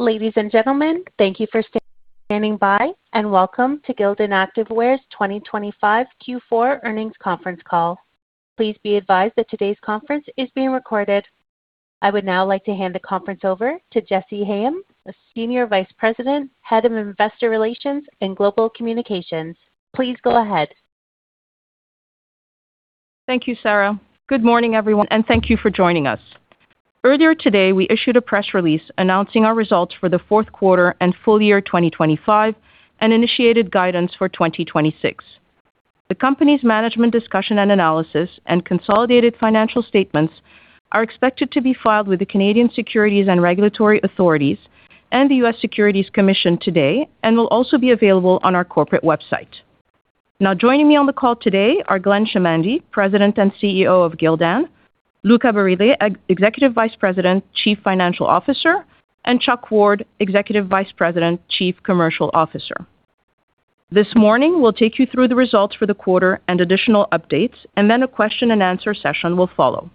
Ladies and gentlemen, thank you for standing by, and welcome to Gildan Activewear's 2025 Q4 earnings conference call. Please be advised that today's conference is being recorded. I would now like to hand the conference over to Jessy Hayem, the Senior Vice President, Head of Investor Relations and Global Communications. Please go ahead. Thank you, Sarah. Good morning, everyone, and thank you for joining us. Earlier today, we issued a press release announcing our results for the 4th quarter and full year 2025 and initiated guidance for 2026. The company's management discussion and analysis and consolidated financial statements are expected to be filed with the Canadian Securities Regulatory Authorities and the U.S. Securities Commission today and will also be available on our corporate website. Joining me on the call today are Glenn Chamandy, President and CEO of Gildan; Luca Barile, Executive Vice President, Chief Financial Officer; and Chuck Ward, Executive Vice President, Chief Commercial Officer. This morning, we'll take you through the results for the quarter and additional updates, and then a question and answer session will follow.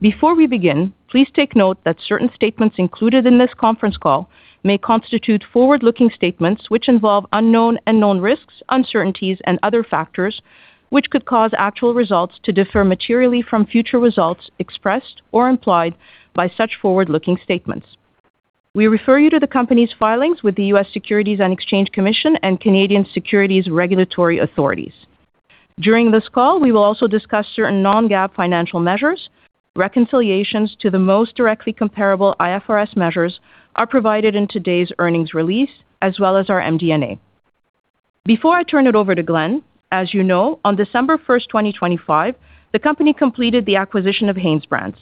Before we begin, please take note that certain statements included in this conference call may constitute forward-looking statements, which involve unknown and known risks, uncertainties, and other factors, which could cause actual results to differ materially from future results expressed or implied by such forward-looking statements. We refer you to the company's filings with the U.S. Securities and Exchange Commission and Canadian Securities Regulatory Authorities. During this call, we will also discuss certain non-GAAP financial measures. Reconciliations to the most directly comparable IFRS measures are provided in today's earnings release as well as our MD&A. Before I turn it over to Glenn, as you know, on December 1, 2025, the company completed the acquisition of HanesBrands.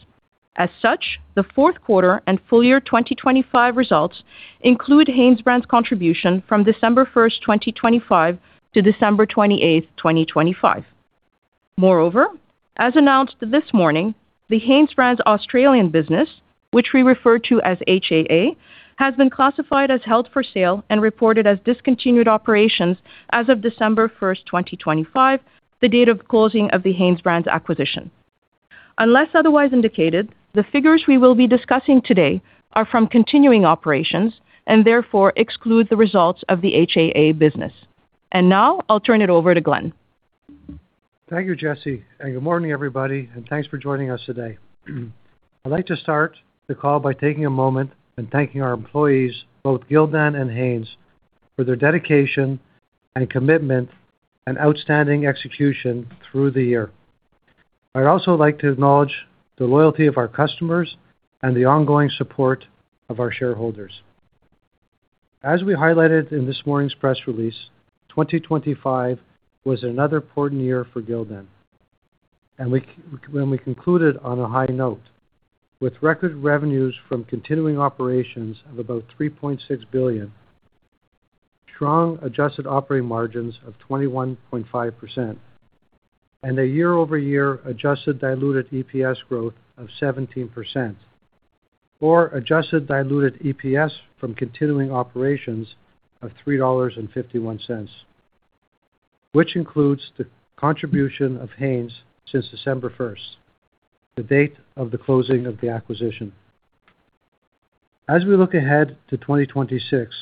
As such, the fourth quarter and full year 2025 results include HanesBrands' contribution from December 1, 2025 to December 28, 2025. Moreover, as announced this morning, the HanesBrands Australian business, which we refer to as HAA, has been classified as held for sale and reported as discontinued operations as of December 1, 2025, the date of closing of the HanesBrands acquisition. Unless otherwise indicated, the figures we will be discussing today are from continuing operations and therefore exclude the results of the HAA business. Now I'll turn it over to Glenn. Thank you, Jessy, and good morning, everybody, and thanks for joining us today. I'd like to start the call by taking a moment and thanking our employees, both Gildan and Hanes, for their dedication and commitment and outstanding execution through the year. I'd also like to acknowledge the loyalty of our customers and the ongoing support of our shareholders. As we highlighted in this morning's press release, 2025 was another important year for Gildan, and we concluded on a high note with record revenues from continuing operations of about $3.6 billion, strong adjusted operating margins of 21.5%, and a year-over-year adjusted diluted EPS growth of 17%, or adjusted diluted EPS from continuing operations of $3.51, which includes the contribution of Hanes since December 1st, the date of the closing of the acquisition. As we look ahead to 2026,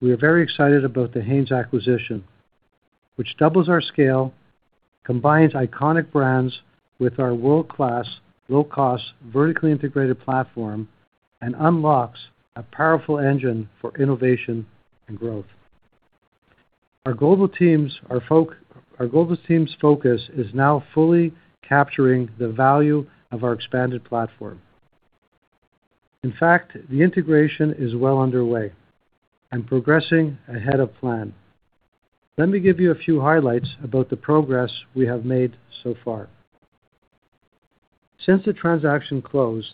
we are very excited about the Hanes acquisition, which doubles our scale, combines iconic brands with our world-class, low-cost, vertically integrated platform, and unlocks a powerful engine for innovation and growth. Our global team's focus is now fully capturing the value of our expanded platform. In fact, the integration is well underway and progressing ahead of plan. Let me give you a few highlights about the progress we have made so far. Since the transaction closed,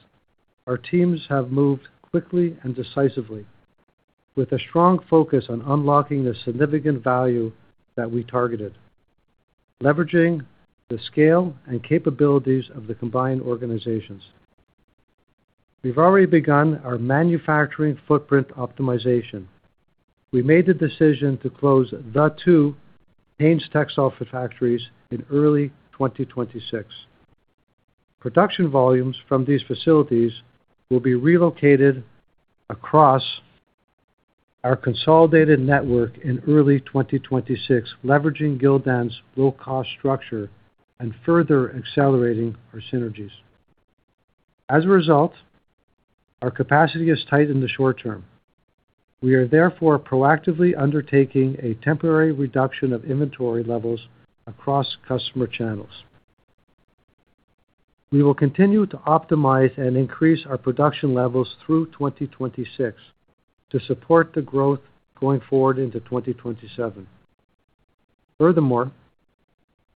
our teams have moved quickly and decisively, with a strong focus on unlocking the significant value that we targeted, leveraging the scale and capabilities of the combined organizations. We've already begun our manufacturing footprint optimization. We made the decision to close the two Hanes textile factories in early 2026. Production volumes from these facilities will be relocated across our consolidated network in early 2026, leveraging Gildan's low-cost structure and further accelerating our synergies. Our capacity is tight in the short term. We are therefore proactively undertaking a temporary reduction of inventory levels across customer channels. We will continue to optimize and increase our production levels through 2026 to support the growth going forward into 2027.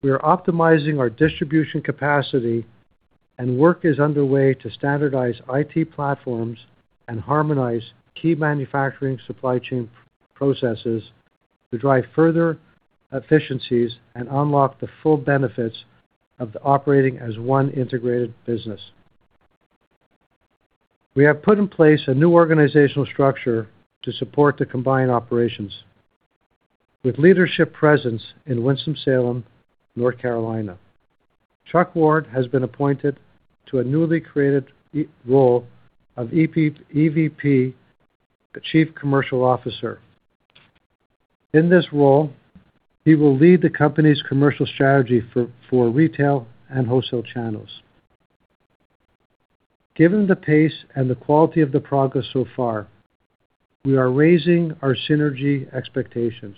We are optimizing our distribution capacity and work is underway to standardize IT platforms and harmonize key manufacturing supply chain processes to drive further efficiencies and unlock the full benefits of the operating as one integrated business. We have put in place a new organizational structure to support the combined operations. with leadership presence in Winston-Salem, North Carolina. Chuck Ward has been appointed to a newly created role of EVP, the Chief Commercial Officer. In this role, he will lead the company's commercial strategy for retail and wholesale channels. Given the pace and the quality of the progress so far, we are raising our synergy expectations.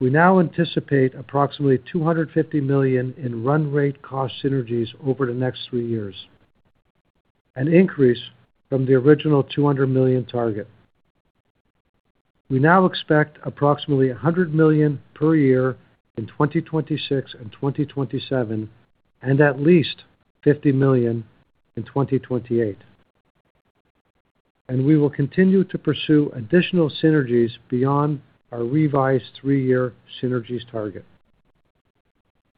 We now anticipate approximately $250 million in run rate cost synergies over the next 3 years, an increase from the original $200 million target. We now expect approximately $100 million per year in 2026 and 2027, and at least $50 million in 2028. We will continue to pursue additional synergies beyond our revised 3-year synergies target.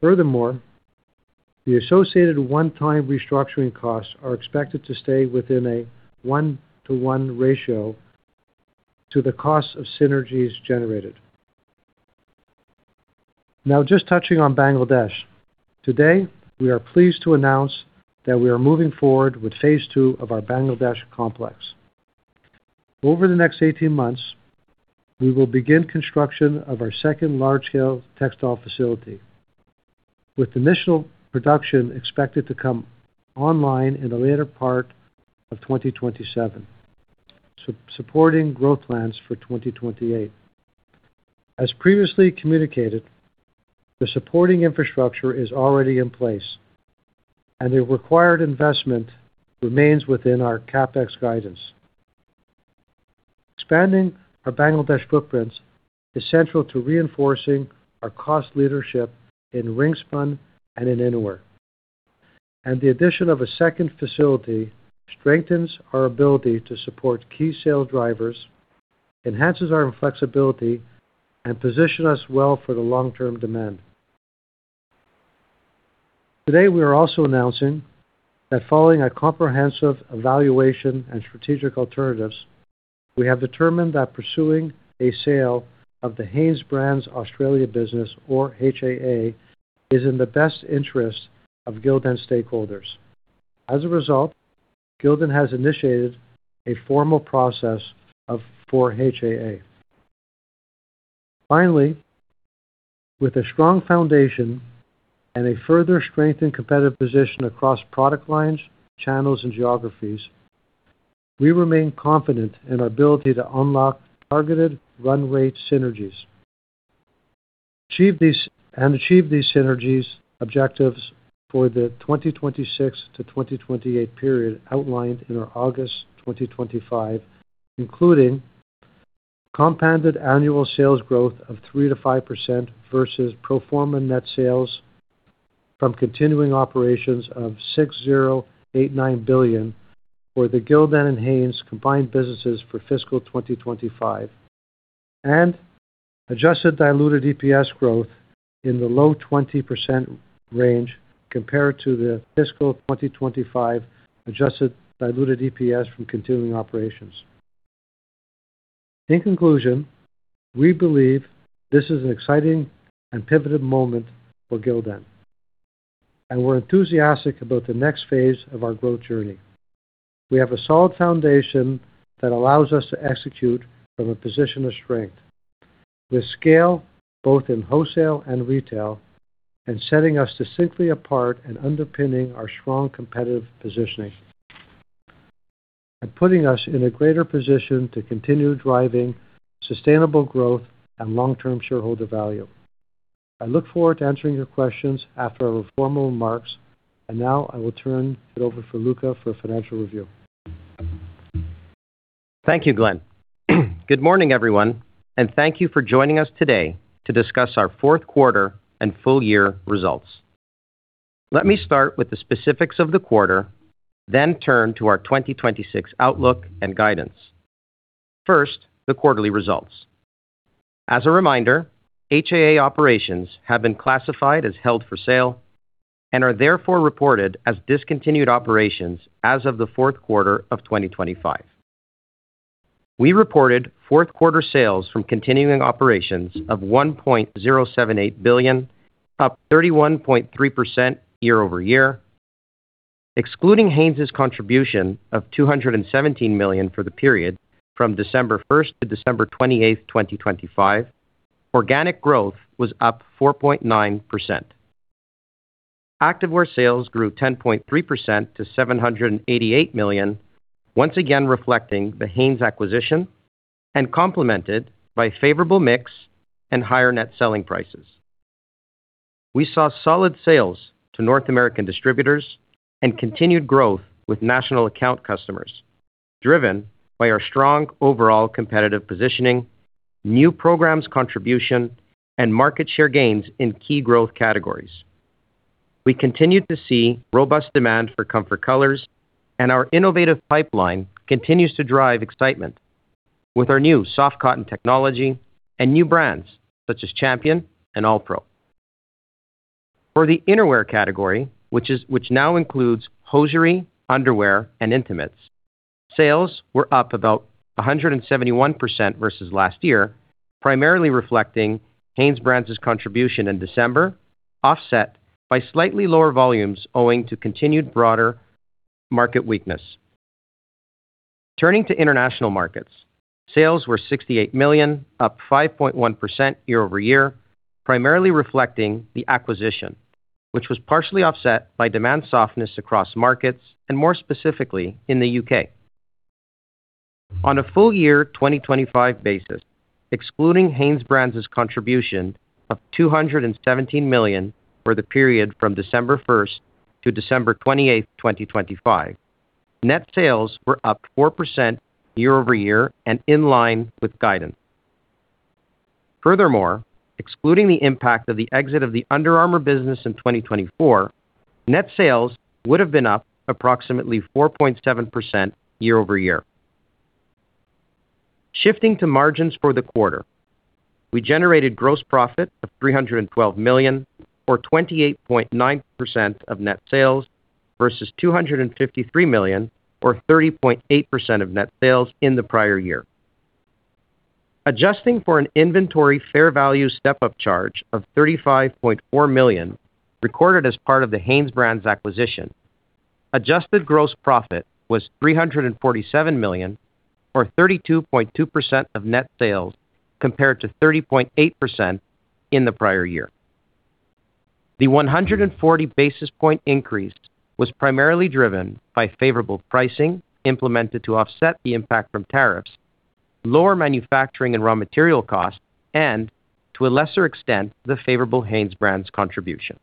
The associated one-time restructuring costs are expected to stay within a 1-to-1 ratio to the cost of synergies generated. Just touching on Bangladesh. Today, we are pleased to announce that we are moving forward with phase two of our Bangladesh complex. Over the next 18 months, we will begin construction of our second large-scale textile facility, with initial production expected to come online in the later part of 2027, supporting growth plans for 2028. As previously communicated, the supporting infrastructure is already in place, and the required investment remains within our CapEx guidance. Expanding our Bangladesh footprints is central to reinforcing our cost leadership in ring spin and in innerwear. The addition of a second facility strengthens our ability to support key sale drivers, enhances our flexibility, and position us well for the long-term demand. Today, we are also announcing that following a comprehensive evaluation and strategic alternatives, we have determined that pursuing a sale of the HanesBrands Australia business, or HAA, is in the best interest of Gildan stakeholders. As a result, Gildan has initiated a formal process for HAA. Finally, with a strong foundation and a further strengthened competitive position across product lines, channels, and geographies, we remain confident in our ability to unlock targeted run rate synergies. Achieve these synergies objectives for the 2026-2028 period outlined in our August 2025, including compounded annual sales growth of 3%-5% versus pro forma net sales from continuing operations of $6.089 billion for the Gildan and Hanes combined businesses for fiscal 2025, and adjusted diluted EPS growth in the low 20% range compared to the fiscal 2025 adjusted diluted EPS from continuing operations. In conclusion, we believe this is an exciting and pivotal moment for Gildan, and we're enthusiastic about the next phase of our growth journey. We have a solid foundation that allows us to execute from a position of strength, with scale both in wholesale and retail, and setting us distinctly apart and underpinning our strong competitive positioning, and putting us in a greater position to continue driving sustainable growth and long-term shareholder value. I look forward to answering your questions after our formal remarks, and now I will turn it over for Luca for a financial review. Thank you, Glenn. Good morning, everyone, and thank you for joining us today to discuss our fourth quarter and full year results. Let me start with the specifics of the quarter, then turn to our 2026 outlook and guidance. First, the quarterly results. As a reminder, HAA operations have been classified as held for sale and are therefore reported as discontinued operations as of the fourth quarter of 2025. We reported fourth quarter sales from continuing operations of $1.078 billion, up 31.3% year-over-year. Excluding Hanes's contribution of $217 million for the period from December 1 to December 28, 2025, organic growth was up 4.9%. Activewear sales grew 10.3% to $788 million, once again reflecting the Hanes acquisition and complemented by favorable mix and higher net selling prices. We saw solid sales to North American distributors and continued growth with national account customers, driven by our strong overall competitive positioning, new programs contribution, and market share gains in key growth categories. We continued to see robust demand for Comfort Colors, and our innovative pipeline continues to drive excitement with our new soft cotton technology and new brands such as Champion and ALLPRO. For the innerwear category, which now includes hosiery, underwear, and intimates, sales were up about 171% versus last year, primarily reflecting HanesBrands' contribution in December, offset by slightly lower volumes owing to continued broader market weakness. Turning to international markets, sales were $68 million, up 5.1% year-over-year, primarily reflecting the acquisition, which was partially offset by demand softness across markets and more specifically in the UK. On a full year 2025 basis, excluding HanesBrands' contribution of $217 million for the period from December 1st to December 28th, 2025, net sales were up 4% year-over-year and in line with guidance. Excluding the impact of the exit of the Under Armour business in 2024, net sales would have been up approximately 4.7% year-over-year. Shifting to margins for the quarter, we generated gross profit of $312 million, or 28.9% of net sales, versus $253 million or 30.8% of net sales in the prior year. Adjusting for an inventory fair value step-up charge of $35.4 million, recorded as part of the HanesBrands acquisition, adjusted gross profit was $347 million, or 32.2% of net sales, compared to 30.8% in the prior year. The 140 basis point increase was primarily driven by favorable pricing implemented to offset the impact from tariffs, lower manufacturing and raw material costs, and to a lesser extent, the favorable HanesBrands contribution.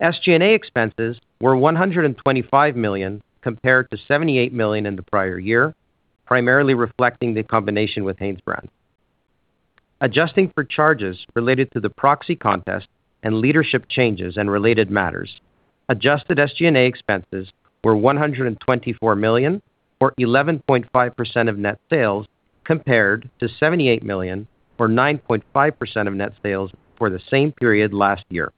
SG&A expenses were $125 million, compared to $78 million in the prior year, primarily reflecting the combination with HanesBrands. Adjusting for charges related to the proxy contest and leadership changes and related matters, adjusted SG&A expenses were $124 million or 11.5% of net sales, compared to $78 million or 9.5% of net sales for the same period last year.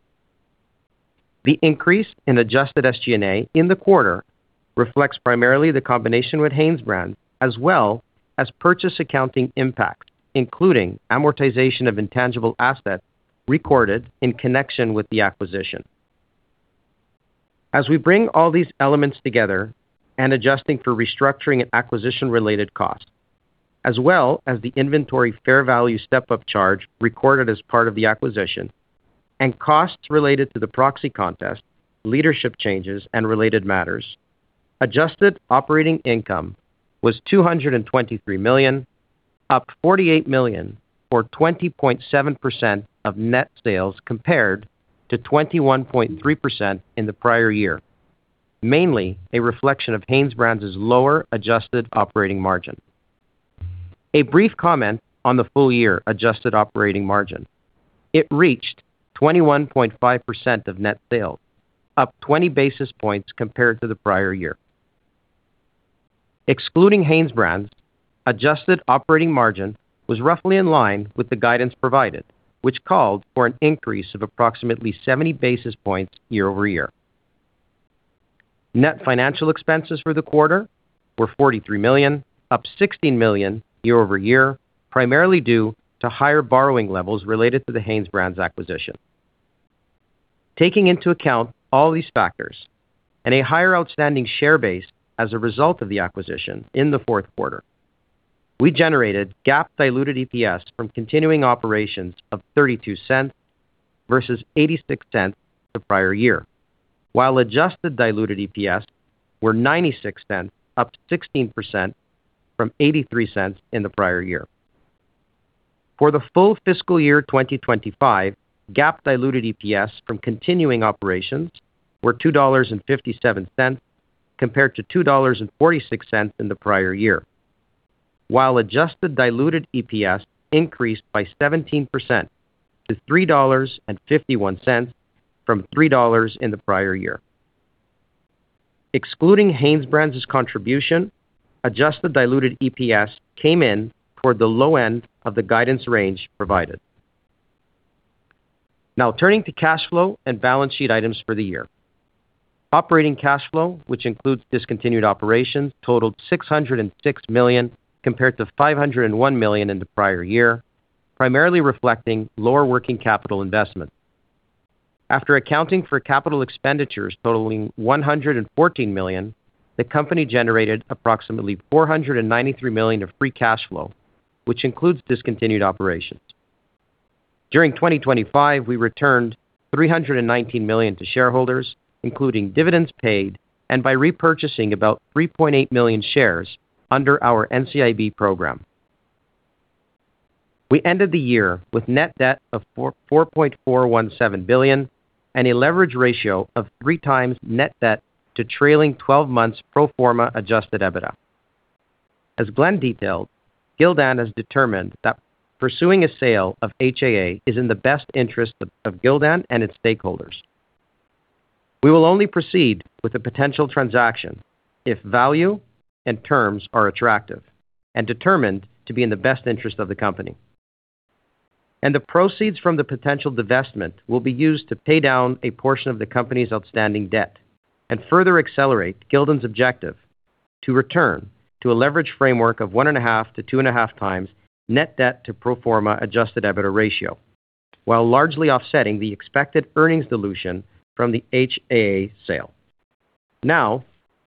The increase in adjusted SG&A in the quarter reflects primarily the combination with HanesBrands, as well as purchase accounting impact, including amortization of intangible assets recorded in connection with the acquisition. We bring all these elements together and adjusting for restructuring and acquisition-related costs, as well as the inventory fair value step-up charge recorded as part of the acquisition and costs related to the proxy contest, leadership changes and related matters. Adjusted operating income was $223 million, up $48 million or 20.7% of net sales, compared to 21.3% in the prior year, mainly a reflection of HanesBrands' lower adjusted operating margin. A brief comment on the full year adjusted operating margin. It reached 21.5% of net sales, up 20 basis points compared to the prior year. Excluding HanesBrands, adjusted operating margin was roughly in line with the guidance provided, which called for an increase of approximately 70 basis points year-over-year. Net financial expenses for the quarter were $43 million, up $16 million year-over-year, primarily due to higher borrowing levels related to the HanesBrands acquisition. Taking into account all these factors and a higher outstanding share base as a result of the acquisition in the fourth quarter, we generated GAAP diluted EPS from continuing operations of $0.32 versus $0.86 the prior year, while adjusted diluted EPS were $0.96, up 16% from $0.83 in the prior year. For the full fiscal year 2025, GAAP diluted EPS from continuing operations were $2.57, compared to $2.46 in the prior year, while adjusted diluted EPS increased by 17% to $3.51 from $3.00 in the prior year. Excluding HanesBrands' contribution, adjusted diluted EPS came in toward the low end of the guidance range provided. Turning to cash flow and balance sheet items for the year. Operating cash flow, which includes discontinued operations, totaled $606 million, compared to $501 million in the prior year, primarily reflecting lower working capital investment. After accounting for CapEx totaling $114 million, the company generated approximately $493 million of free cash flow, which includes discontinued operations. During 2025, we returned $319 million to shareholders, including dividends paid, and by repurchasing about 3.8 million shares under our NCIB program. We ended the year with net debt of $4.417 billion and a leverage ratio of 3 times net debt to trailing 12 months pro forma adjusted EBITDA. As Glenn detailed, Gildan has determined that pursuing a sale of HAA is in the best interest of Gildan and its stakeholders.... We will only proceed with the potential transaction if value and terms are attractive and determined to be in the best interest of the company. The proceeds from the potential divestment will be used to pay down a portion of the company's outstanding debt and further accelerate Gildan's objective to return to a leverage framework of 1.5x-2.5x net debt to pro forma adjusted EBITDA ratio, while largely offsetting the expected earnings dilution from the HAA sale.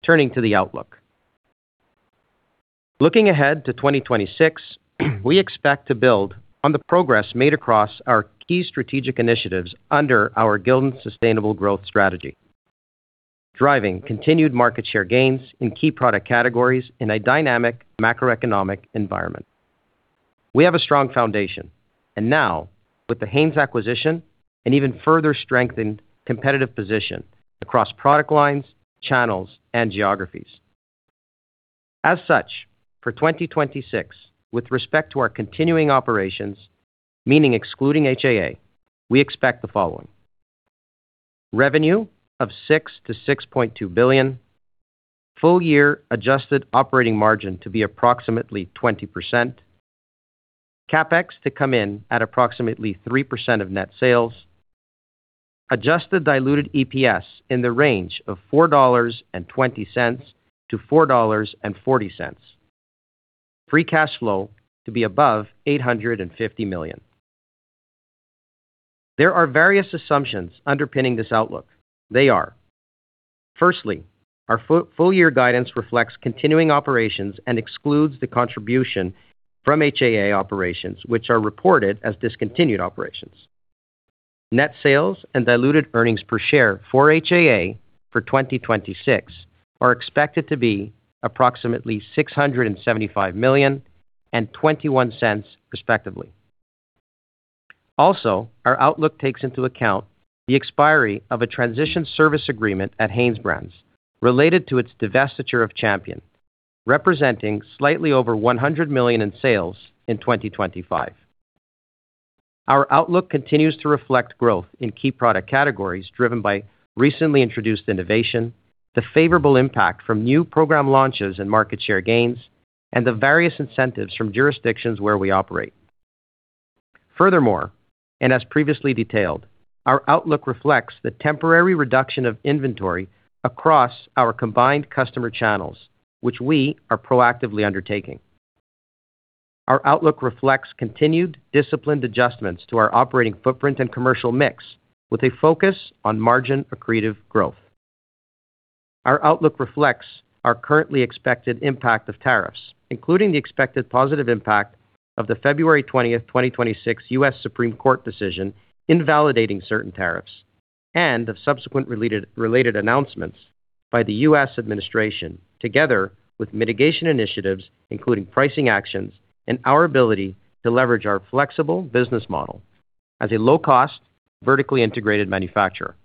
Turning to the outlook. Looking ahead to 2026, we expect to build on the progress made across our key strategic initiatives under our Gildan sustainable growth strategy, driving continued market share gains in key product categories in a dynamic macroeconomic environment. We have a strong foundation, and now, with the Hanes acquisition, an even further strengthened competitive position across product lines, channels, and geographies. For 2026, with respect to our continuing operations, meaning excluding HAA, we expect the following: revenue of $6 billion-$6.2 billion, full year adjusted operating margin to be approximately 20%, CapEx to come in at approximately 3% of net sales. Adjusted diluted EPS in the range of $4.20-$4.40. Free cash flow to be above $850 million. There are various assumptions underpinning this outlook. They are: firstly, our full-year guidance reflects continuing operations and excludes the contribution from HAA operations, which are reported as discontinued operations. Net sales and diluted earnings per share for HAA for 2026 are expected to be approximately $675 million and $0.21, respectively. Also, our outlook takes into account the expiry of a transition service agreement at HanesBrands related to its divestiture of Champion, representing slightly over $100 million in sales in 2025. Our outlook continues to reflect growth in key product categories, driven by recently introduced innovation, the favorable impact from new program launches and market share gains, and the various incentives from jurisdictions where we operate. Furthermore, and as previously detailed, our outlook reflects the temporary reduction of inventory across our combined customer channels, which we are proactively undertaking. Our outlook reflects continued disciplined adjustments to our operating footprint and commercial mix with a focus on margin accretive growth. Our outlook reflects our currently expected impact of tariffs, including the expected positive impact of the February 20, 2026, US Supreme Court decision invalidating certain tariffs and the subsequent related announcements by the U.S. administration, together with mitigation initiatives, including pricing actions and our ability to leverage our flexible business model as a low-cost, vertically integrated manufacturer.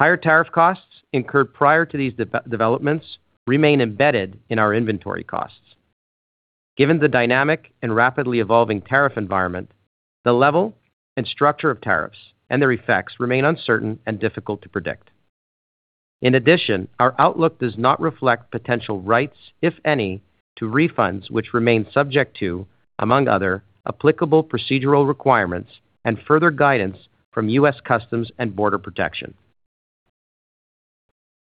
Higher tariff costs incurred prior to these developments remain embedded in our inventory costs. Given the dynamic and rapidly evolving tariff environment, the level and structure of tariffs and their effects remain uncertain and difficult to predict. In addition, our outlook does not reflect potential rights, if any, to refunds, which remain subject to, among other, applicable procedural requirements and further guidance from US Customs and Border Protection.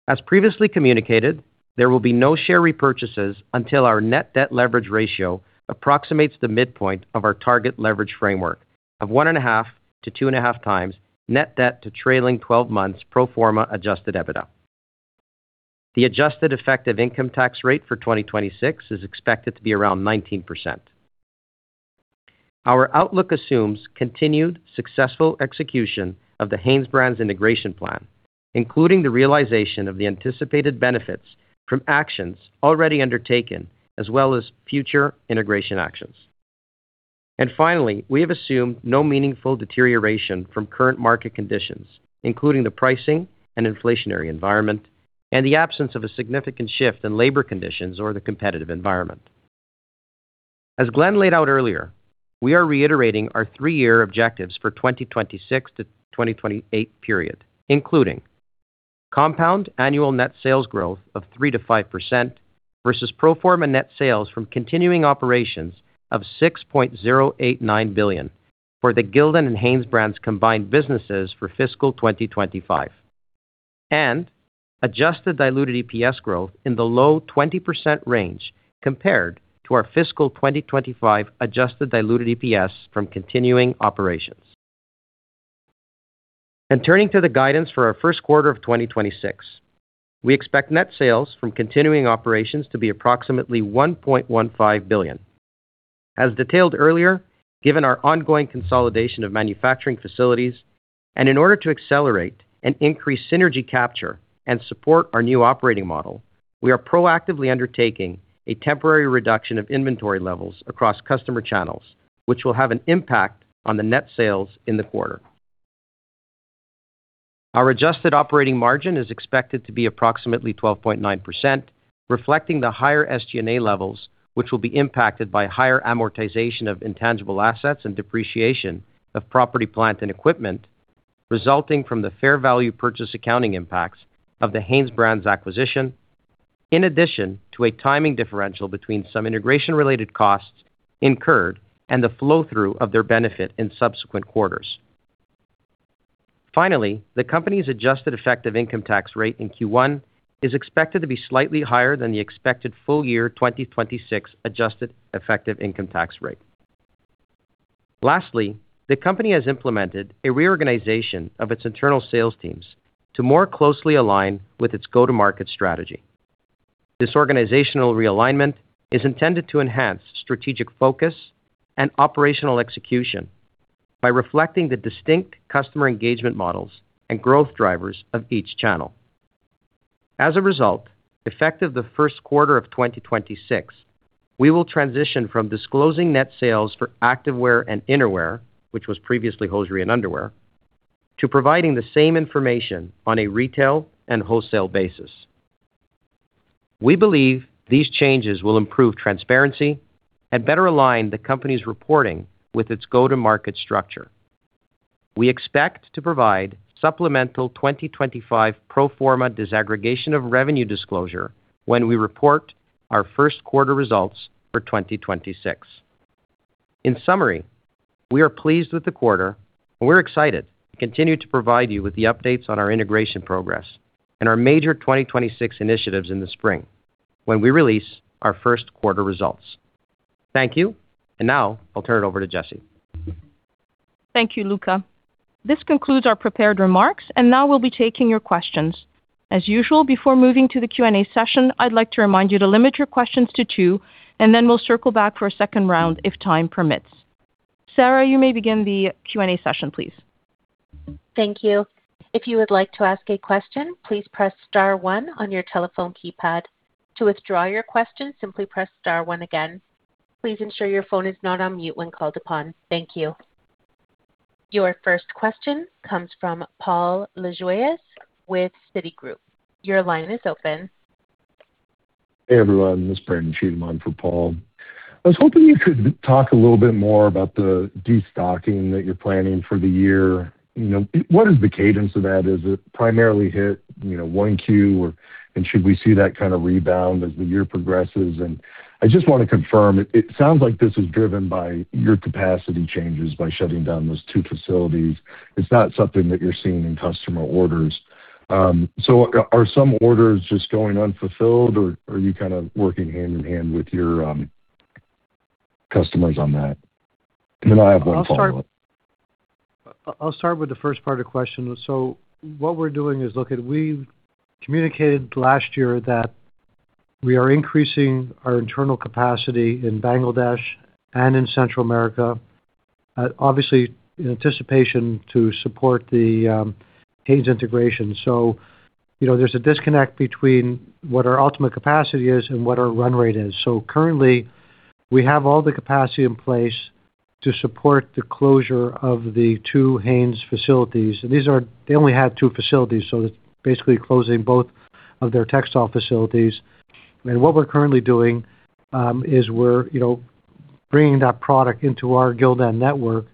As previously communicated, there will be no share repurchases until our net debt leverage ratio approximates the midpoint of our target leverage framework of 1.5x-2.5x net debt to trailing 12 months pro forma adjusted EBITDA. The adjusted effective income tax rate for 2026 is expected to be around 19%. Our outlook assumes continued successful execution of the HanesBrands integration plan, including the realization of the anticipated benefits from actions already undertaken, as well as future integration actions. Finally, we have assumed no meaningful deterioration from current market conditions, including the pricing and inflationary environment and the absence of a significant shift in labor conditions or the competitive environment. As Glenn laid out earlier, we are reiterating our three-year objectives for 2026-2028 period, including compound annual net sales growth of 3%-5% versus pro forma net sales from continuing operations of $6.089 billion for the Gildan and HanesBrands combined businesses for fiscal 2025. Adjusted diluted EPS growth in the low 20% range compared to our fiscal 2025 adjusted diluted EPS from continuing operations. Turning to the guidance for our first quarter of 2026. We expect net sales from continuing operations to be approximately $1.15 billion. As detailed earlier, given our ongoing consolidation of manufacturing facilities, and in order to accelerate and increase synergy capture and support our new operating model, we are proactively undertaking a temporary reduction of inventory levels across customer channels, which will have an impact on the net sales in the quarter. Our adjusted operating margin is expected to be approximately 12.9%. reflecting the higher SG&A levels, which will be impacted by higher amortization of intangible assets and depreciation of property, plant, and equipment, resulting from the fair value purchase accounting impacts of the HanesBrands acquisition, in addition to a timing differential between some integration-related costs incurred and the flow through of their benefit in subsequent quarters. Finally, the company's adjusted effective income tax rate in Q1 is expected to be slightly higher than the expected full year 2026 adjusted effective income tax rate. Lastly, the company has implemented a reorganization of its internal sales teams to more closely align with its go-to-market strategy. This organizational realignment is intended to enhance strategic focus and operational execution by reflecting the distinct customer engagement models and growth drivers of each channel. As a result, effective the first quarter of 2026, we will transition from disclosing net sales for activewear and innerwear, which was previously hosiery and underwear, to providing the same information on a retail and wholesale basis. We believe these changes will improve transparency and better align the company's reporting with its go-to-market structure. We expect to provide supplemental 2025 pro forma disaggregation of revenue disclosure when we report our first quarter results for 2026. In summary, we are pleased with the quarter, and we're excited to continue to provide you with the updates on our integration progress and our major 2026 initiatives in the spring, when we release our first quarter results. Thank you. Now I'll turn it over to Jessy. Thank you, Luca. This concludes our prepared remarks. Now we'll be taking your questions. As usual, before moving to the Q&A session, I'd like to remind you to limit your questions to two. Then we'll circle back for a second round if time permits. Sarah, you may begin the Q&A session, please. Thank you. If you would like to ask a question, please press star one on your telephone keypad. To withdraw your question, simply press star one again. Please ensure your phone is not on mute when called upon. Thank you. Your first question comes from Paul Lejuez with Citigroup. Your line is open. Hey, everyone, this is Brandon Cheatham on for Paul. I was hoping you could talk a little bit more about the destocking that you're planning for the year. You know, what is the cadence of that? Does it primarily hit, you know, 1Q? Should we see that kind of rebound as the year progresses? I just want to confirm, it sounds like this is driven by your capacity changes by shutting down those two facilities. It's not something that you're seeing in customer orders. Are some orders just going unfulfilled, or are you kind of working hand in hand with your customers on that? I have one follow-up. I'll start with the first part of the question. What we're doing is, look, we communicated last year that we are increasing our internal capacity in Bangladesh and in Central America, obviously in anticipation to support the Hanes integration. You know, there's a disconnect between what our ultimate capacity is and what our run rate is. Currently, we have all the capacity in place to support the closure of the two Hanes facilities. They only had two facilities, it's basically closing both of their textile facilities. What we're currently doing, is we're, you know, bringing that product into our Gildan network.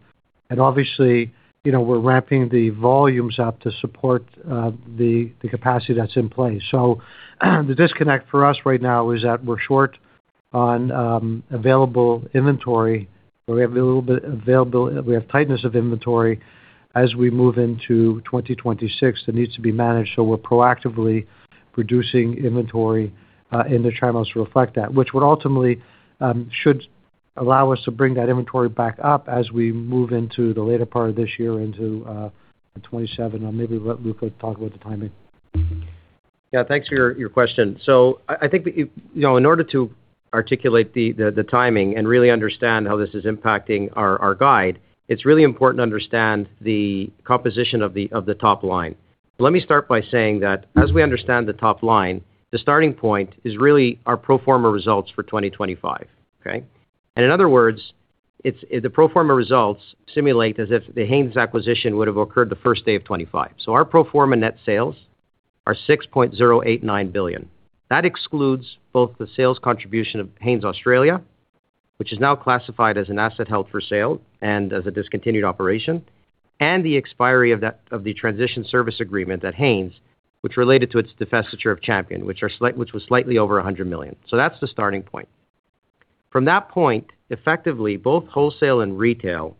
Obviously, you know, we're ramping the volumes up to support the capacity that's in place. The disconnect for us right now is that we're short on available inventory, but we have a little bit available. We have tightness of inventory as we move into 2026 that needs to be managed, so we're proactively reducing inventory in the channels to reflect that, which would ultimately should allow us to bring that inventory back up as we move into the later part of this year into 2027. I'll maybe let Luca talk about the timing. Yeah, thanks for your question. I think that, you know, in order to articulate the timing and really understand how this is impacting our guide, it's really important to understand the composition of the top line. Let me start by saying that as we understand the top line, the starting point is really our pro forma results for 2025, okay? In other words, the pro forma results simulate as if the Hanes acquisition would have occurred the first day of 2025. Our pro forma net sales are $6.089 billion. That excludes both the sales contribution of HanesBrands Australia, which is now classified as an asset held for sale and as a discontinued operation, and the expiry of that, of the transition service agreement at HanesBrands, which related to its divestiture of Champion, which was slightly over $100 million. That's the starting point. From that point, effectively, both wholesale and retail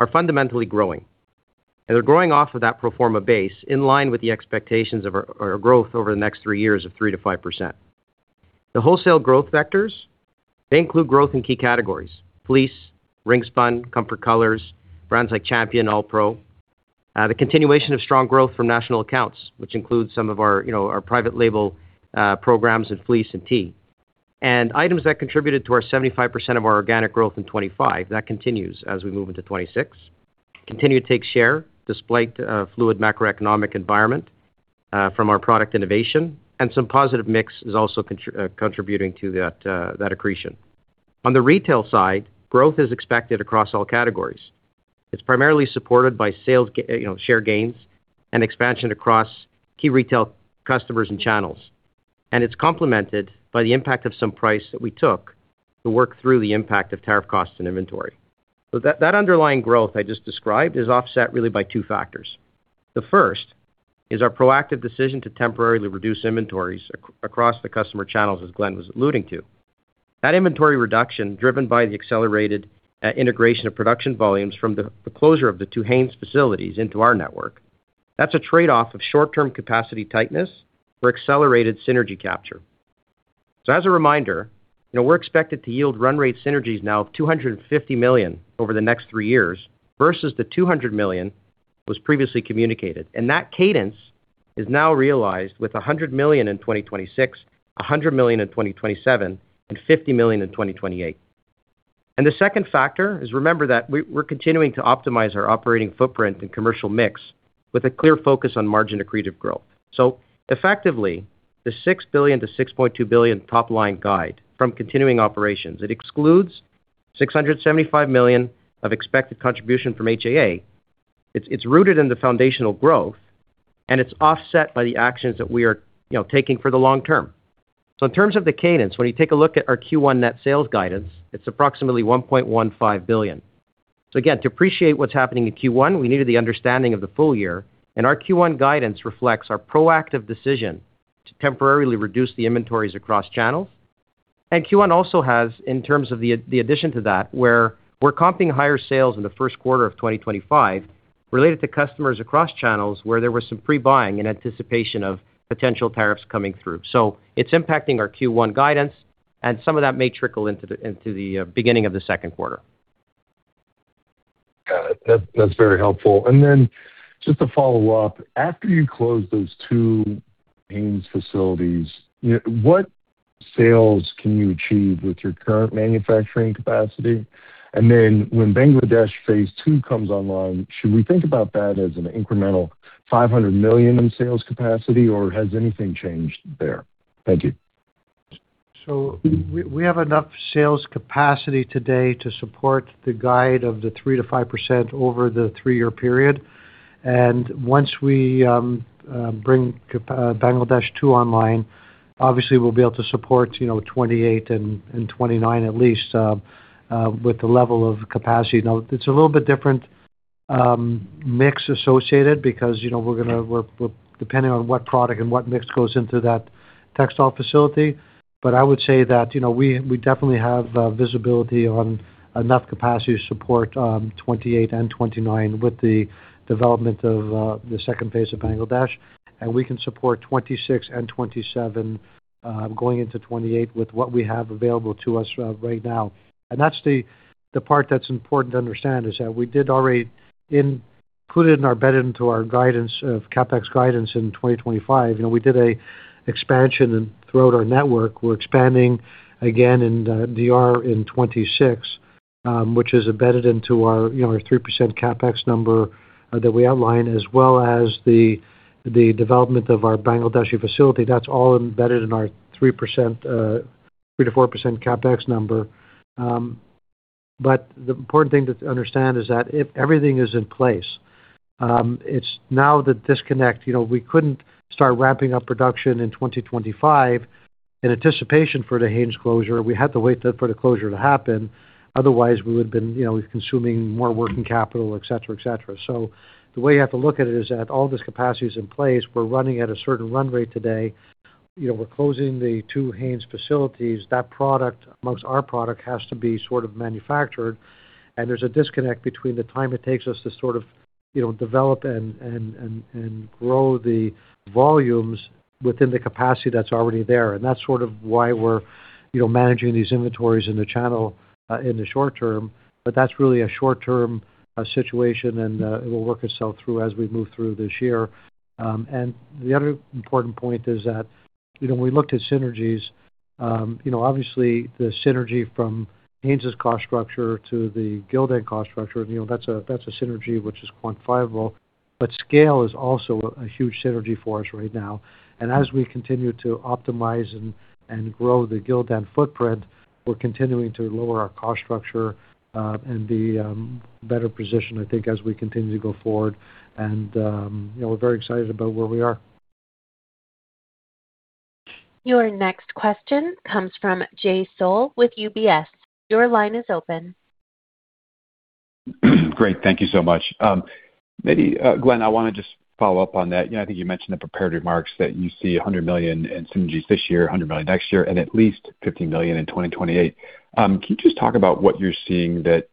are fundamentally growing, and they're growing off of that pro forma base in line with the expectations of our growth over the next three years of 3%-5%. The wholesale growth vectors, they include growth in key categories, fleece, ring spin, Comfort Colors, brands like Champion, ALLPRO, the continuation of strong growth from national accounts, which includes some of our, you know, our private label programs in fleece and tee. Items that contributed to our 75% of our organic growth in 25, that continues as we move into 2026. Continue to take share, despite fluid macroeconomic environment, from our product innovation, and some positive mix is also contributing to that accretion. On the retail side, growth is expected across all categories. It's primarily supported by sales, you know, share gains and expansion across key retail customers and channels, and it's complemented by the impact of some price that we took to work through the impact of tariff costs and inventory. That underlying growth I just described is offset really by two factors. The first is our proactive decision to temporarily reduce inventories across the customer channels, as Glenn was alluding to. That inventory reduction, driven by the accelerated integration of production volumes from the closure of the two Hanes facilities into our network, that's a trade-off of short-term capacity tightness for accelerated synergy capture. As a reminder, you know, we're expected to yield run rate synergies now of $250 million over the next three years, versus the $200 million was previously communicated, and that cadence is now realized with $100 million in 2026, $100 million in 2027, and $50 million in 2028. The second factor is, remember that we're continuing to optimize our operating footprint and commercial mix with a clear focus on margin accretive growth. Effectively, the $6 billion-$6.2 billion top-line guide from continuing operations, it excludes $675 million of expected contribution from HAA. It's rooted in the foundational growth, and it's offset by the actions that we are, you know, taking for the long term. In terms of the cadence, when you take a look at our Q1 net sales guidance, it's approximately $1.15 billion. Again, to appreciate what's happening in Q1, we needed the understanding of the full year, and our Q1 guidance reflects our proactive decision to temporarily reduce the inventories across channels. Q1 also has, in terms of the addition to that, where we're comping higher sales in the first quarter of 2025 related to customers across channels, where there was some pre-buying in anticipation of potential tariffs coming through. It's impacting our Q1 guidance, and some of that may trickle into the beginning of the second quarter. Got it. That's very helpful. Then just to follow up, after you close those two Hanes facilities, you know, what sales can you achieve with your current manufacturing capacity? Then when Bangladesh phase two comes online, should we think about that as an incremental $500 million in sales capacity, or has anything changed there? Thank you. We have enough sales capacity today to support the guide of the 3%-5% over the 3-year period. Once we bring Bangladesh 2 online, obviously we'll be able to support 2028 and 2029 at least with the level of capacity. It's a little bit different mix associated because depending on what product and what mix goes into that textile facility. I would say that we definitely have visibility on enough capacity to support 2028 and 2029 with the development of the second phase of Bangladesh, and we can support 2026 and 2027 going into 2028 with what we have available to us right now. That's the part that's important to understand, is that we did already put it in our bed into our guidance of CapEx guidance in 2025. You know, we did a expansion and throughout our network, we're expanding again in DR in 26, which is embedded into our, you know, our 3% CapEx number that we outlined, as well as the development of our Bangladeshi facility. That's all embedded in our 3%, 3%-4% CapEx number. The important thing to understand is that if everything is in place, it's now the disconnect. You know, we couldn't start ramping up production in 2025 in anticipation for the Hanes closure. We had to wait for the closure to happen, otherwise we would have been, you know, consuming more working capital, et cetera. The way you have to look at it is that all this capacity is in place. We're running at a certain run rate today. You know, we're closing the two Hanes facilities. That product, amongst our product, has to be sort of manufactured, and there's a disconnect between the time it takes us to sort of, you know, develop and grow the volumes within the capacity that's already there. That's sort of why we're, you know, managing these inventories in the channel, in the short term. That's really a short-term situation, and it will work itself through as we move through this year. The other important point is that, you know, when we looked at synergies, you know, obviously the synergy from Hanes' cost structure to the Gildan cost structure, you know, that's a synergy which is quantifiable, but scale is also a huge synergy for us right now. As we continue to optimize and grow the Gildan footprint, we're continuing to lower our cost structure, and be better positioned, I think, as we continue to go forward. You know, we're very excited about where we are. Your next question comes from Jay Sole with UBS. Your line is open. Great. Thank you so much. Maybe, Glenn, I wanna just follow up on that. You know, I think you mentioned the prepared remarks that you see $100 million in synergies this year, $100 million next year, and at least $50 million in 2028. Can you just talk about what you're seeing that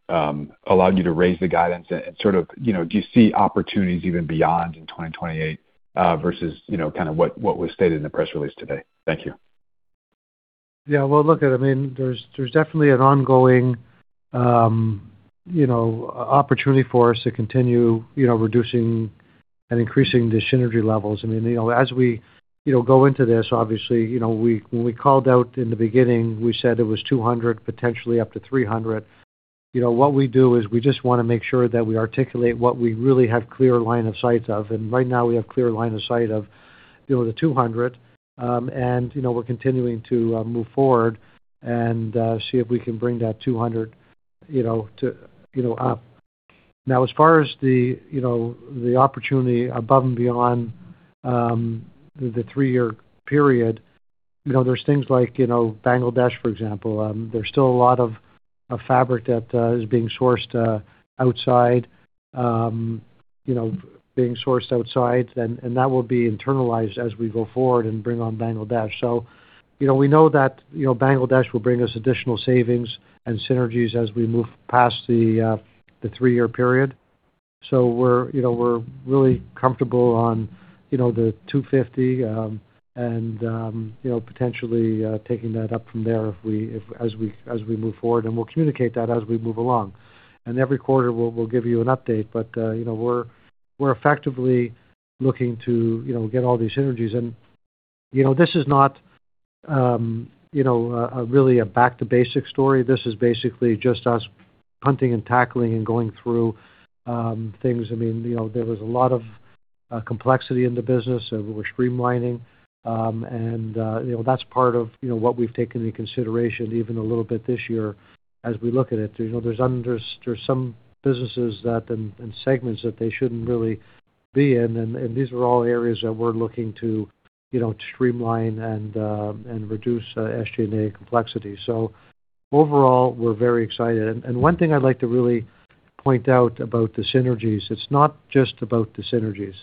allowed you to raise the guidance and sort of, you know, do you see opportunities even beyond in 2028 versus, you know, kind of what was stated in the press release today? Thank you. Well, look, I mean, there's definitely an ongoing, you know, opportunity for us to continue, you know, reducing and increasing the synergy levels. I mean, you know, as we, you know, go into this, obviously, you know, when we called out in the beginning, we said it was 200, potentially up to 300. You know, what we do is we just want to make sure that we articulate what we really have clear line of sight of. Right now, we have clear line of sight of, you know, the 200. You know, we're continuing to move forward and see if we can bring that 200, you know, to, you know, up. As far as the, you know, the opportunity above and beyond the 3-year period, you know, there's things like, you know, Bangladesh, for example. There's still a lot of fabric that is being sourced outside, you know, and that will be internalized as we go forward and bring on Bangladesh. We know that, you know, Bangladesh will bring us additional savings and synergies as we move past the three-year period. We're, you know, we're really comfortable on, you know, the $250, and, you know, potentially taking that up from there if, as we move forward, and we'll communicate that as we move along. Every quarter, we'll give you an update, but, you know, we're effectively looking to, you know, get all these synergies. You know, this is not, you know, really a back-to-basics story. This is basically just us hunting and tackling and going through, things. I mean, you know, there was a lot of complexity in the business, and we're streamlining. You know, that's part of, you know, what we've taken into consideration even a little bit this year, as we look at it. You know, there's some businesses that, and segments that they shouldn't really be in, and these are all areas that we're looking to, you know, streamline and reduce, SG&A complexity. Overall, we're very excited. One thing I'd like to really point out about the synergies, it's not just about the synergies.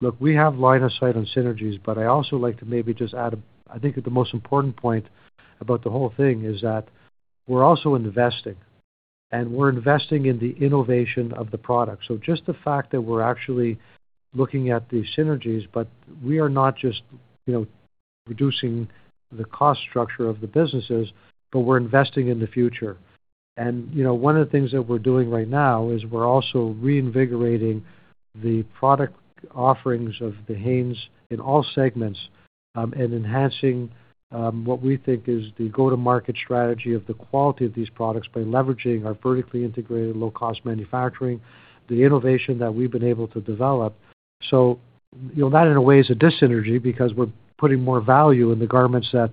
Look, we have line of sight on synergies, but I also like to maybe just add, I think that the most important point about the whole thing is that we're also investing, and we're investing in the innovation of the product. Just the fact that we're actually looking at the synergies, but we are not just, you know, reducing the cost structure of the businesses, but we're investing in the future. You know, one of the things that we're doing right now is we're also reinvigorating the product offerings of the Hanes in all segments, and enhancing what we think is the go-to-market strategy of the quality of these products by leveraging our vertically integrated, low-cost manufacturing, the innovation that we've been able to develop. You know, that, in a way, is a dis-synergy because we're putting more value in the garments that,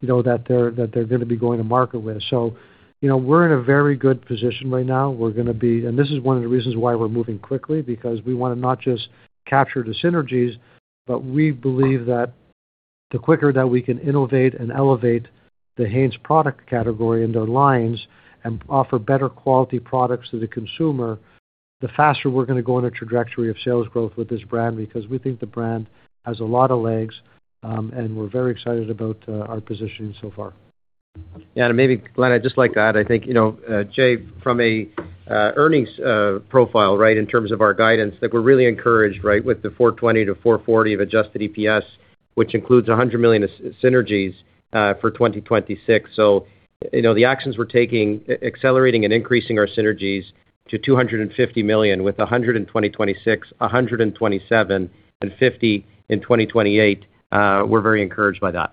you know, that they're gonna be going to market with. You know, we're in a very good position right now. This is one of the reasons why we're moving quickly, because we wanna not just capture the synergies, but we believe that the quicker that we can innovate and elevate the Hanes product category and their lines and offer better quality products to the consumer, the faster we're gonna go on a trajectory of sales growth with this brand, because we think the brand has a lot of legs, and we're very excited about our positioning so far. Maybe, Glenn, I'd just like to add, I think, you know, Jay, from an earnings profile, right, in terms of our guidance, that we're really encouraged, right, with the $4.20-$4.40 of adjusted EPS, which includes $100 million synergies for 2026. You know, the actions we're taking, accelerating and increasing our synergies to $250 million, with $100 in 2026, $100 in 2027, and $50 in 2028, we're very encouraged by that.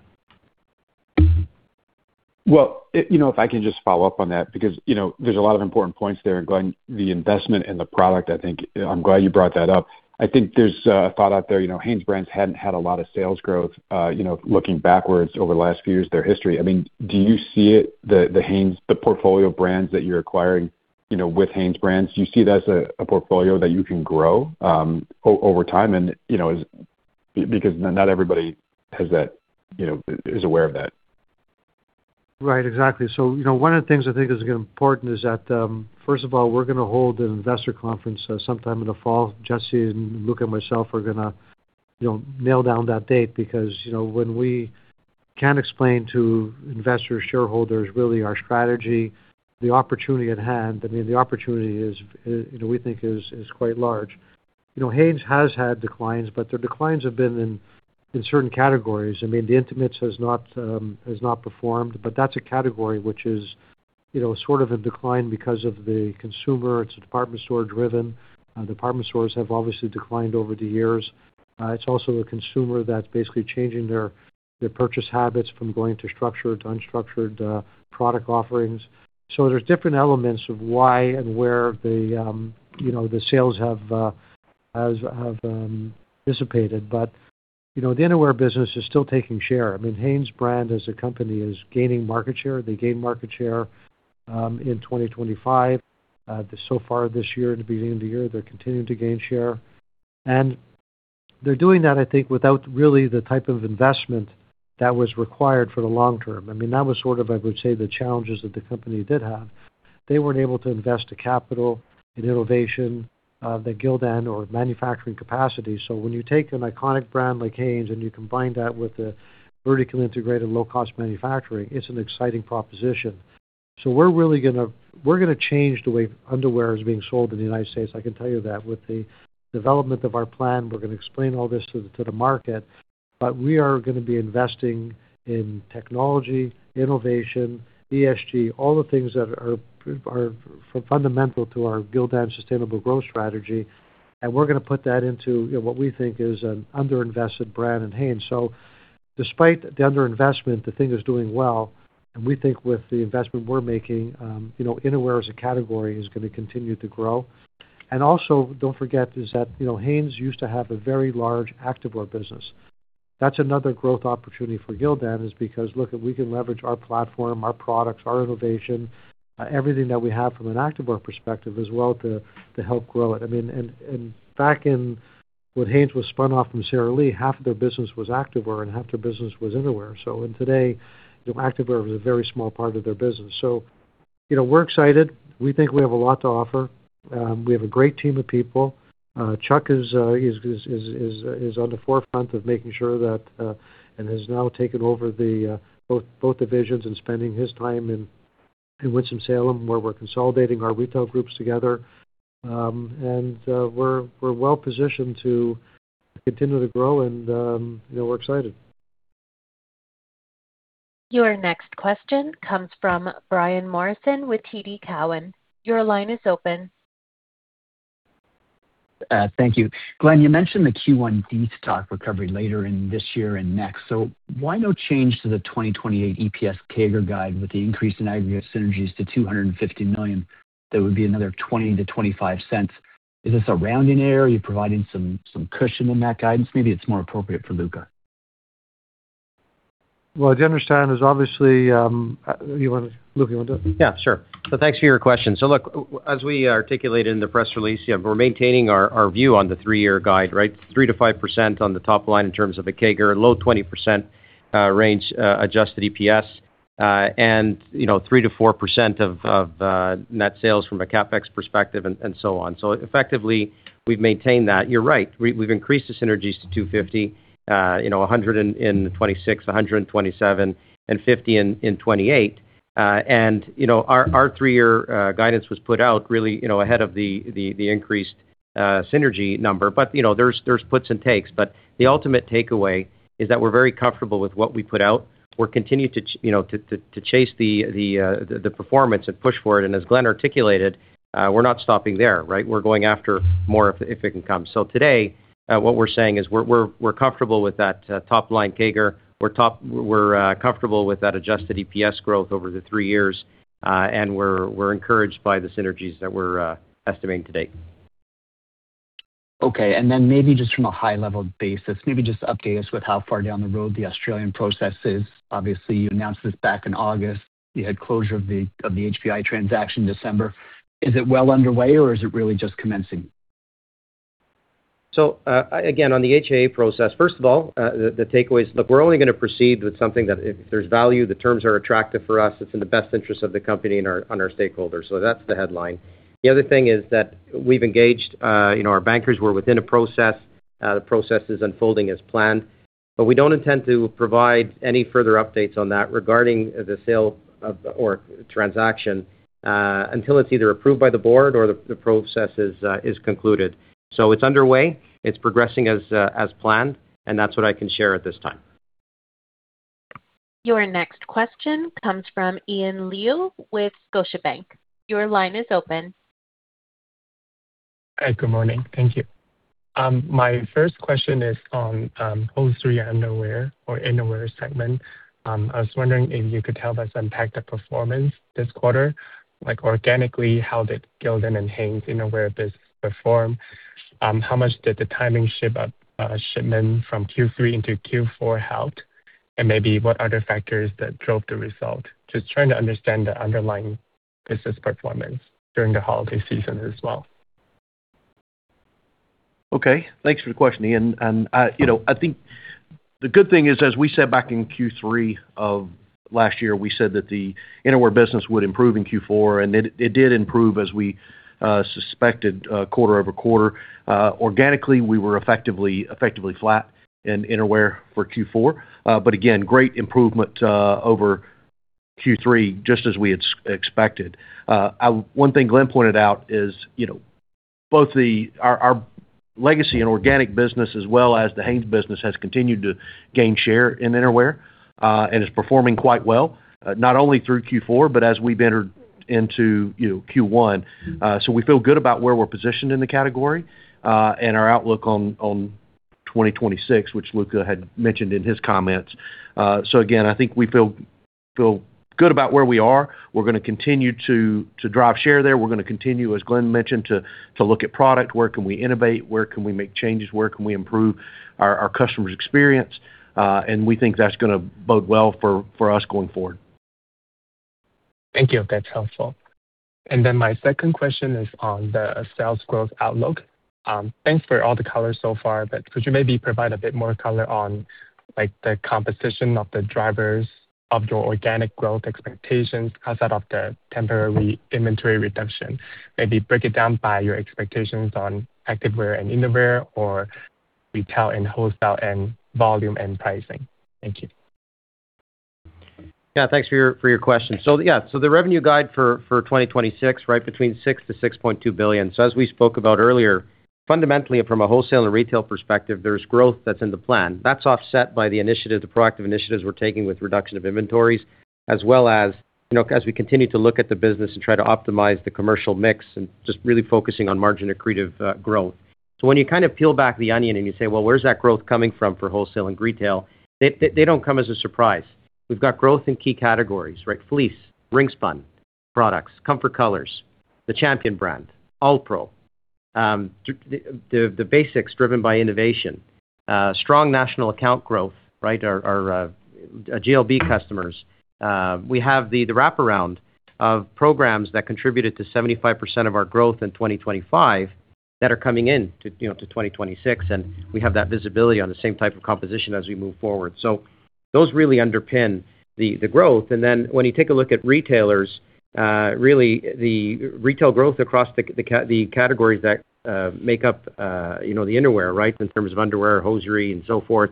Well, you know, if I can just follow up on that, because, you know, there's a lot of important points there, Glenn. The investment in the product, I think, I'm glad you brought that up. I think there's a thought out there, you know, HanesBrands hadn't had a lot of sales growth, you know, looking backwards over the last few years of their history. I mean, do you see it, the Hanes, the portfolio of brands that you're acquiring, you know, with HanesBrands? Do you see that as a portfolio that you can grow over time? Because not everybody has that, you know, is aware of that. Right, exactly. You know, one of the things I think is important is that, first of all, we're gonna hold an investor conference sometime in the fall. Jessy and Luca and myself are gonna, you know, nail down that date because, you know, when we can explain to investors, shareholders, really our strategy, the opportunity at hand, I mean, the opportunity is, you know, we think is quite large. You know, Hanes has had declines, but the declines have been in certain categories. I mean, the intimates has not performed, but that's a category which is, you know, sort of in decline because of the consumer. It's department store driven. Department stores have obviously declined over the years. It's also a consumer that's basically changing their purchase habits from going to structured to unstructured product offerings. There's different elements of why and where the, you know, the sales have dissipated. You know, the innerwear business is still taking share. I mean, HanesBrands as a company is gaining market share. They gained market share in 2025. So far this year, at the beginning of the year, they're continuing to gain share. They're doing that, I think, without really the type of investment that was required for the long term. I mean, that was sort of, I would say, the challenges that the company did have. They weren't able to invest the capital in innovation that Gildan or manufacturing capacity. When you take an iconic brand like Hanes, and you combine that with the vertical integrated low-cost manufacturing, it's an exciting proposition. We're really gonna change the way underwear is being sold in the United States, I can tell you that. With the development of our plan, we're gonna explain all this to the market, but we are gonna be investing in technology, innovation, ESG, all the things that are fundamental to our Gildan sustainable growth strategy. We're gonna put that into, you know, what we think is an underinvested brand in Hanes. Despite the underinvestment, the thing is doing well, and we think with the investment we're making, you know, innerwear as a category is gonna continue to grow. Also, don't forget, is that, you know, Hanes used to have a very large activewear business. That's another growth opportunity for Gildan, is because, look, if we can leverage our platform, our products, our innovation, everything that we have from an activewear perspective as well, to help grow it. I mean, back in, when Hanes was spun off from Sara Lee, half of their business was activewear, and half their business was innerwear. Today, you know, activewear is a very small part of their business. You know, we're excited. We think we have a lot to offer. We have a great team of people. Chuck is on the forefront of making sure that and has now taken over the both divisions and spending his time in Winston-Salem, where we're consolidating our retail groups together. We're well positioned to continue to grow, and, you know, we're excited. Your next question comes from Brian Morrison with TD Cowen. Your line is open. Thank you. Glenn, you mentioned the Q1 de-stock recovery later in this year and next. Why no change to the 2028 EPS CAGR guide with the increase in aggregate synergies to $250 million. That would be another $0.20-$0.25. Is this a rounding error? Are you providing some cushion in that guidance? Maybe it's more appropriate for Luca. As you understand, there's obviously, Luca, you wanna do it? Sure. Thanks for your question. As we articulated in the press release, we're maintaining our view on the three-year guide, right? 3%-5% on the top line in terms of a CAGR, low 20% range adjusted EPS, and 3%-4% of net sales from a CapEx perspective, and so on. Effectively, we've maintained that. You're right, we've increased the synergies to 250, 100 in 2026, 100 in 2027, and 50 in 2028. Our three-year guidance was put out really ahead of the increased synergy number. There's puts and takes, but the ultimate takeaway is that we're very comfortable with what we put out. We're continuing you know, to chase the performance and push for it. As Glenn articulated, we're not stopping there, right? We're going after more if it can come. Today, what we're saying is we're comfortable with that top line CAGR. We're comfortable with that adjusted EPS growth over the three years, and we're encouraged by the synergies that we're estimating today. Okay, maybe just from a high-level basis, maybe just update us with how far down the road the Australian process is. You announced this back in August. You had closure of the HBI transaction in December. Is it well underway, or is it really just commencing? Again, on the HAA process, first of all, the takeaways. Look, we're only gonna proceed with something that if there's value, the terms are attractive for us, it's in the best interest of the company and our stakeholders. That's the headline. The other thing is that we've engaged, you know, our bankers. We're within a process. The process is unfolding as planned, but we don't intend to provide any further updates on that regarding the sale of, or transaction, until it's either approved by the board or the process is concluded. It's underway. It's progressing as planned, and that's what I can share at this time. Your next question comes from Ian Liu with Scotiabank. Your line is open. Hi, good morning. Thank you. My first question is on all three underwear or innerwear segment. I was wondering if you could help us unpack the performance this quarter. Like, organically, how did Gildan and Hanes innerwear business perform? How much did the timing shipment from Q3 into Q4 help? Maybe what other factors that drove the result? Just trying to understand the underlying business performance during the holiday season as well. Okay, thanks for the question, Ian. you know, I think the good thing is, as we said back in Q3 of last year, we said that the innerwear business would improve in Q4, and it did improve as we suspected quarter-over-quarter. Organically, we were effectively flat in innerwear for Q4. Again, great improvement over Q3, just as we had expected. One thing Glenn pointed out is, you know, both our legacy and organic business, as well as the HanesBrands business, has continued to gain share in innerwear and is performing quite well, not only through Q4, but as we've entered into, you know, Q1. We feel good about where we're positioned in the category and our outlook on 2026, which Luca had mentioned in his comments. Again, I think we feel good about where we are. We're gonna continue to drive share there. We're gonna continue, as Glenn mentioned, to look at product. Where can we innovate? Where can we make changes? Where can we improve our customers' experience? We think that's gonna bode well for us going forward. Thank you. That's helpful. Then my second question is on the sales growth outlook. Thanks for all the color so far, but could you maybe provide a bit more color on, like, the composition of the drivers of your organic growth expectations outside of the temporary inventory reduction? Maybe break it down by your expectations on activewear and innerwear or retail and wholesale and volume and pricing. Thank you. Yeah, thanks for your question. The revenue guide for 2026, right between $6 billion-$6.2 billion. As we spoke about earlier, fundamentally, from a wholesale and retail perspective, there's growth that's in the plan. That's offset by the initiative, the proactive initiatives we're taking with reduction of inventories, as well as, you know, as we continue to look at the business and try to optimize the commercial mix and just really focusing on margin accretive growth. When you kind of peel back the onion and you say, well, where's that growth coming from for wholesale and retail? They don't come as a surprise. We've got growth in key categories, right? Fleece, ring spun products, Comfort Colors, the Champion brand, ALLPRO, the basics driven by innovation, strong national account growth, right? Our GLB customers. We have the wraparound of programs that contributed to 75% of our growth in 2025, that are coming in to, you know, to 2026, and we have that visibility on the same type of composition as we move forward. Those really underpin the growth. When you take a look at retailers, really the retail growth across the categories that make up, you know, the innerwear, right? In terms of underwear, hosiery, and so forth,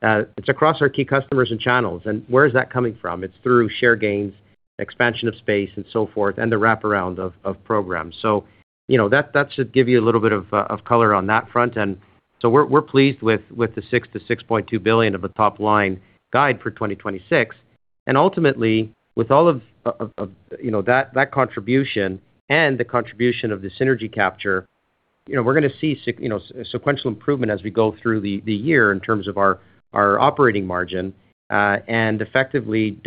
it's across our key customers and channels. Where is that coming from? It's through share gains, expansion of space, and so forth, and the wraparound of programs. You know, that should give you a little bit of color on that front. We're pleased with the $6 billion-$6.2 billion of the top line guide for 2026. Ultimately, with all of, you know, that contribution and the contribution of the synergy capture, you know, we're gonna see sequential improvement as we go through the year in terms of our operating margin, and effectively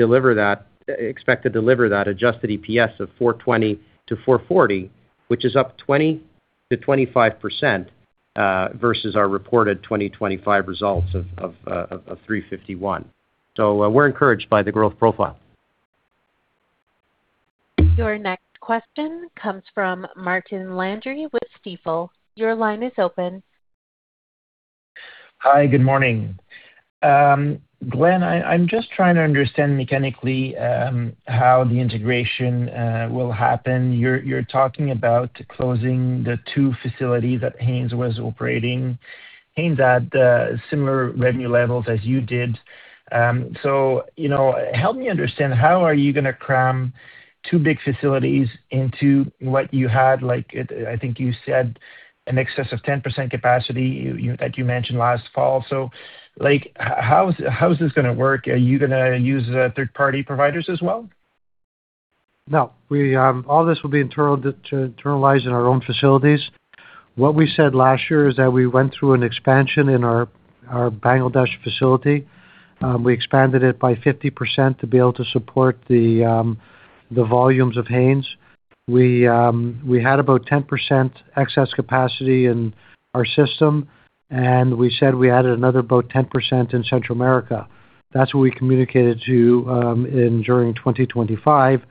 expect to deliver that adjusted EPS of $4.20-$4.40, which is up 20%-25% versus our reported 2025 results of $3.51. We're encouraged by the growth profile. Your next question comes from Martin Landry with Stifel. Your line is open. Hi, good morning. Glenn, I'm just trying to understand mechanically, how the integration will happen. You're talking about closing the two facilities that Hanes was operating. Hanes had similar revenue levels as you did. So, you know, help me understand, how are you gonna cram two big facilities into what you had? Like, I think you said in excess of 10% capacity, you that you mentioned last fall. So, like, how's this gonna work? Are you gonna use third-party providers as well? No, we, all this will be internal, internalized in our own facilities. What we said last year is that we went through an expansion in our Bangladesh facility. We expanded it by 50% to be able to support the volumes of Hanes. We had about 10% excess capacity in our system, and we said we added another about 10% in Central America. That's what we communicated to, during 2025.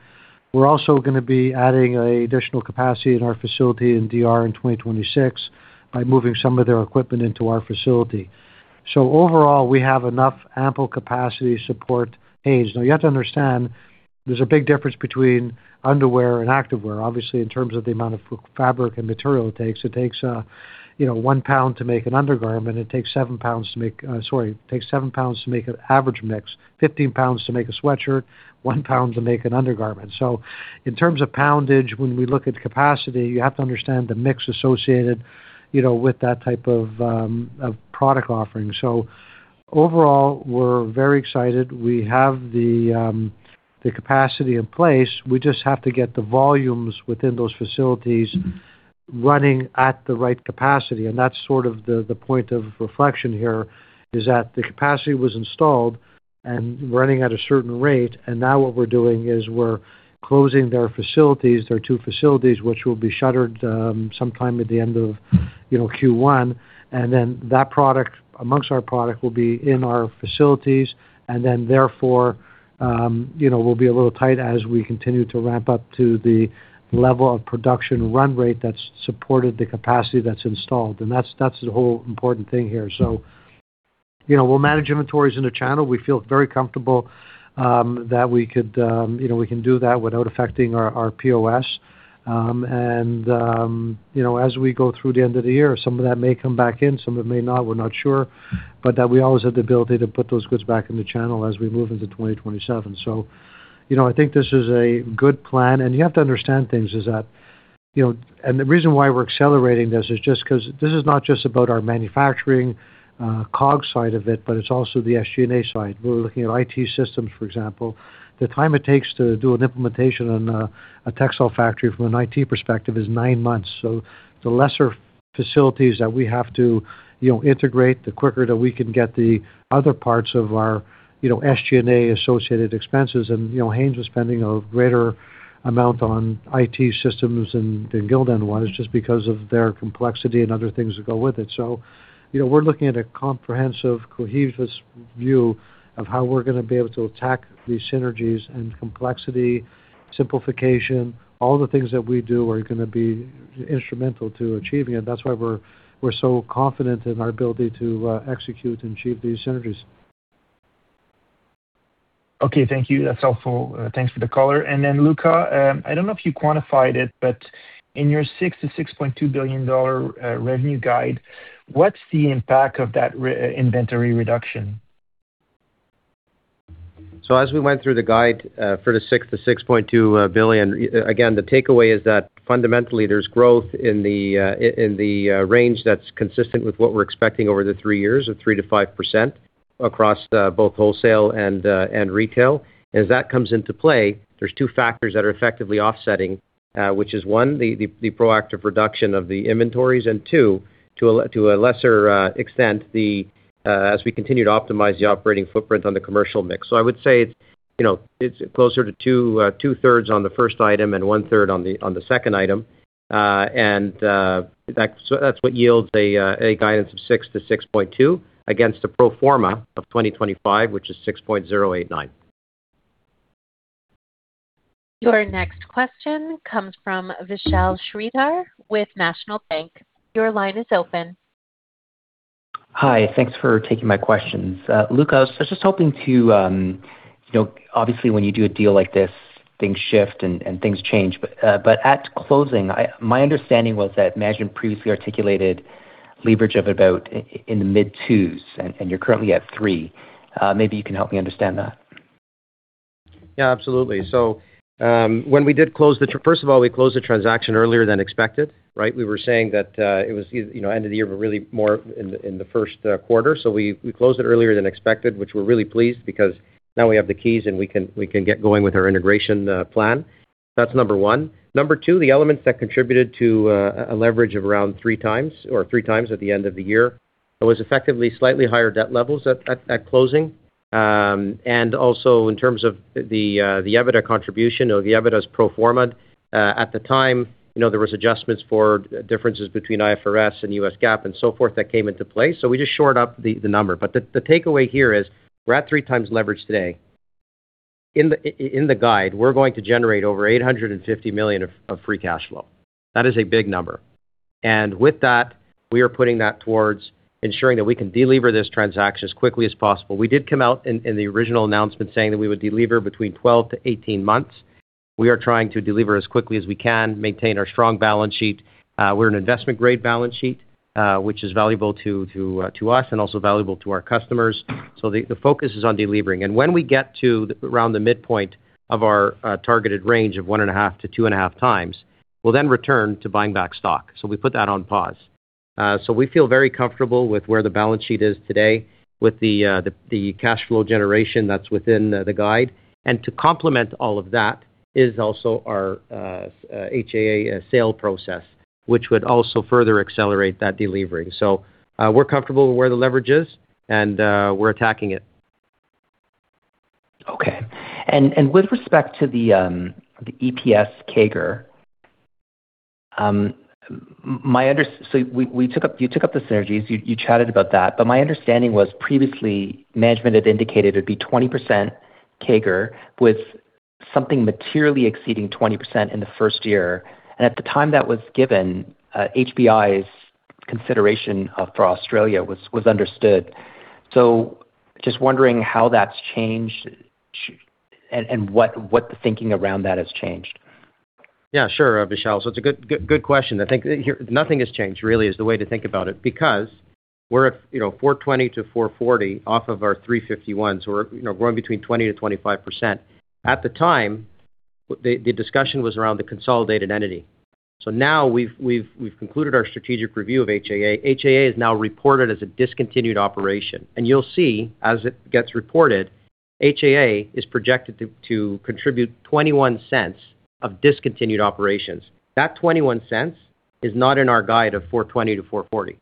We're also gonna be adding additional capacity in our facility in DR in 2026 by moving some of their equipment into our facility. Overall, we have enough ample capacity to support Hanes. You have to understand, there's a big difference between underwear and activewear. Obviously, in terms of the amount of fabric and material it takes. It takes, you know, 1 pound to make an undergarment. It takes 7 pounds to make an average mix, 15 pounds to make a sweatshirt, 1 pound to make an undergarment. In terms of poundage, when we look at capacity, you have to understand the mix associated, you know, with that type of product offering. Overall, we're very excited. We have the capacity in place. We just have to get the volumes within those facilities running at the right capacity, and that's sort of the point of reflection here, is that the capacity was installed and running at a certain rate, and now what we're doing is we're closing their facilities, their 2 facilities, which will be shuttered sometime at the end of, you know, Q1. That product, amongst our product, will be in our facilities, and then, therefore, you know, we'll be a little tight as we continue to ramp up to the level of production run rate that's supported the capacity that's installed. That's the whole important thing here. You know, we'll manage inventories in the channel. We feel very comfortable that we could, you know, we can do that without affecting our POS. And, you know, as we go through the end of the year, some of that may come back in, some of it may not, we're not sure. That we always have the ability to put those goods back in the channel as we move into 2027. You know, I think this is a good plan, and you have to understand things is that, you know... The reason why we're accelerating this is just because this is not just about our manufacturing, COG side of it, but it's also the SG&A side. We're looking at IT systems, for example. The time it takes to do an implementation on a textile factory from an IT perspective is nine months. The lesser facilities that we have to, you know, integrate, the quicker that we can get the other parts of our, you know, SG&A-associated expenses. You know, Hanes was spending a greater amount on IT systems than Gildan was, just because of their complexity and other things that go with it. You know, we're looking at a comprehensive, cohesive view of how we're gonna be able to attack these synergies and complexity, simplification. All the things that we do are gonna be instrumental to achieving it. That's why we're so confident in our ability to execute and achieve these synergies. Okay, thank you. That's helpful. Thanks for the color. Then, Luca, I don't know if you quantified it, but in your $6 billion-$6.2 billion revenue guide, what's the impact of that inventory reduction? As we went through the guide for the $6 billion-$6.2 billion, again, the takeaway is that fundamentally, there's growth in the range that's consistent with what we're expecting over the 3 years of 3%-5% across both wholesale and retail. As that comes into play, there's 2 factors that are effectively offsetting, which is, 1, the proactive reduction of the inventories, and 2, to a lesser extent, as we continue to optimize the operating footprint on the commercial mix. I would say, you know, it's closer to two-thirds on the first item and one-third on the second item. So that's what yields a guidance of 6 to 6.2, against a pro forma of 2025, which is 6.089. Your next question comes from Vishal Shreedhar with National Bank. Your line is open. Hi, thanks for taking my questions. Luca, I was just hoping to, you know, obviously, when you do a deal like this, things shift and things change. At closing, My understanding was that management previously articulated leverage of about in the mid-2s, and you're currently at 3. Maybe you can help me understand that. Absolutely. When we did close the first of all, we closed the transaction earlier than expected, right? We were saying that, it was, you know, end of the year, but really more in the first quarter. We closed it earlier than expected, which we're really pleased, because now we have the keys, and we can get going with our integration plan. That's number one. Number two, the elements that contributed to a leverage of around 3 times or 3 times at the end of the year, it was effectively slightly higher debt levels at closing. And also in terms of the EBITDA contribution or the EBITDA's pro forma. At the time, you know, there was adjustments for differences between IFRS and US GAAP and so forth, that came into play, so we just shored up the number. The takeaway here is we're at 3 times leverage today. In the guide, we're going to generate over $850 million of free cash flow. That is a big number. With that, we are putting that towards ensuring that we can delever this transaction as quickly as possible. We did come out in the original announcement saying that we would delever between 12-18 months. We are trying to delever as quickly as we can, maintain our strong balance sheet. We're an investment-grade balance sheet, which is valuable to us and also valuable to our customers. The focus is on delevering. When we get to around the midpoint of our targeted range of one and a half to two and a half times, we'll then return to buying back stock. We put that on pause. We feel very comfortable with where the balance sheet is today, with the cash flow generation that's within the guide. To complement all of that is also our HAA sale process, which would also further accelerate that delevering. We're comfortable with where the leverage is, and we're attacking it. Okay. With respect to the the EPS CAGR, we took up, you took up the synergies, you chatted about that. But my understanding was previously management had indicated it'd be 20% CAGR, with something materially exceeding 20% in the first year. At the time that was given, HBI's consideration for Australia was understood. Just wondering how that's changed and what the thinking around that has changed? Yeah, sure, Vishal. It's a good question. I think here, nothing has changed, really is the way to think about it. We're at, you know, $4.20-$4.40 off of our $3.51, so we're, you know, growing between 20%-25%. At the time, the discussion was around the consolidated entity. Now we've concluded our strategic review of HAA. HAA is now reported as a discontinued operation, and you'll see, as it gets reported, HAA is projected to contribute $0.21 of discontinued operations. That $0.21 is not in our guide of $4.20-$4.40.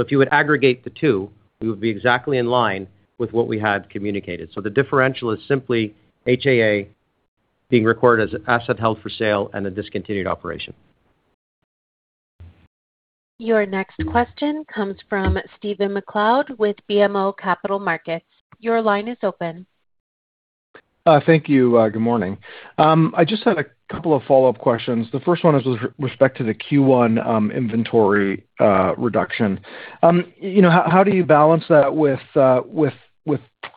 If you would aggregate the two, we would be exactly in line with what we had communicated. The differential is simply HAA being recorded as an asset held for sale and a discontinued operation. Your next question comes from Stephen MacLeod with BMO Capital Markets. Your line is open. Thank you. Good morning. I just had a couple of follow-up questions. The first one is with respect to the Q1 inventory reduction. You know, how do you balance that with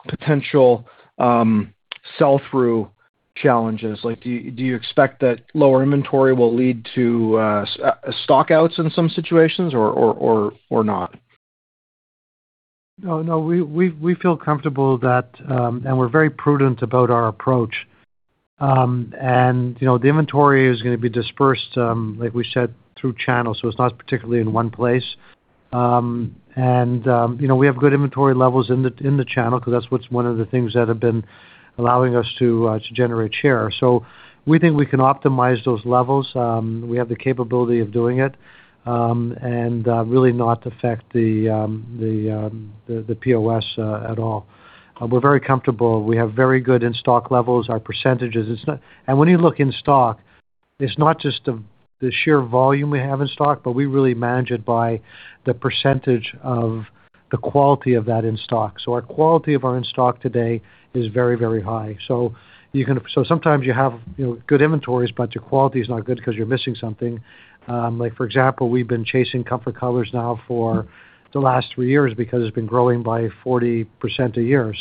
potential sell-through challenges? Like, do you expect that lower inventory will lead to stock outs in some situations or not? No, we feel comfortable that, and we're very prudent about our approach. And, you know, the inventory is gonna be dispersed, like we said, through channels, so it's not particularly in one place. And, you know, we have good inventory levels in the channel, 'cause that's what's one of the things that have been allowing us to generate share. We think we can optimize those levels. We have the capability of doing it, and really not affect the POS at all. We're very comfortable. We have very good in-stock levels. Our percentages, when you look in stock, it's not just the sheer volume we have in stock, but we really manage it by the percentage of the quality of that in stock. Our quality of our in-stock today is very, very high. You can sometimes you have, you know, good inventories, but your quality is not good because you're missing something. Like, for example, we've been chasing Comfort Colors now for the last 3 years because it's been growing by 40% a year.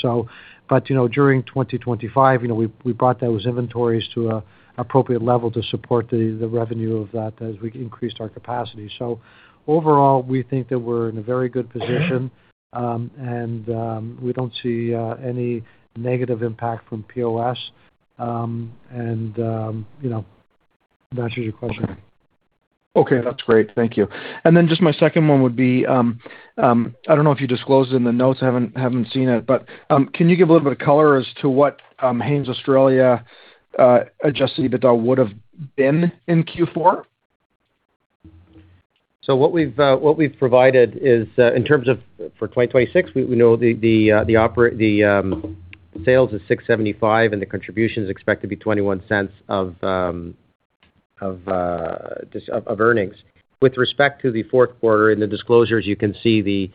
You know, during 2025, you know, we brought those inventories to a appropriate level to support the revenue of that as we increased our capacity. Overall, we think that we're in a very good position, and we don't see any negative impact from POS. You know, that answers your question? Okay, that's great. Thank you. Just my second one would be, I don't know if you disclosed it in the notes. I haven't seen it, but can you give a little bit of color as to what Hanes Australia adjusted EBITDA would have been in Q4? What we've provided is in terms of for 2026, we know the sales is $675, and the contribution is expected to be $0.21 of earnings. With respect to the fourth quarter, in the disclosures, you can see the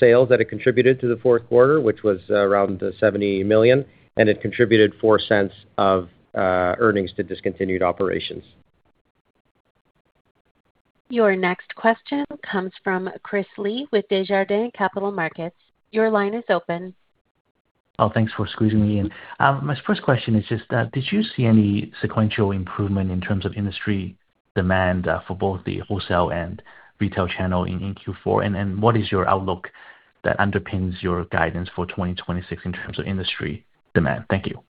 sales that it contributed to the fourth quarter, which was around $70 million, and it contributed $0.04 of earnings to discontinued operations. Your next question comes from Chris Li with Desjardins Capital Markets. Your line is open. Thanks for squeezing me in. My first question is just that, did you see any sequential improvement in terms of industry demand for both the wholesale and retail channel in Q4? What is your outlook that underpins your guidance for 2026 in terms of industry demand? Thank you.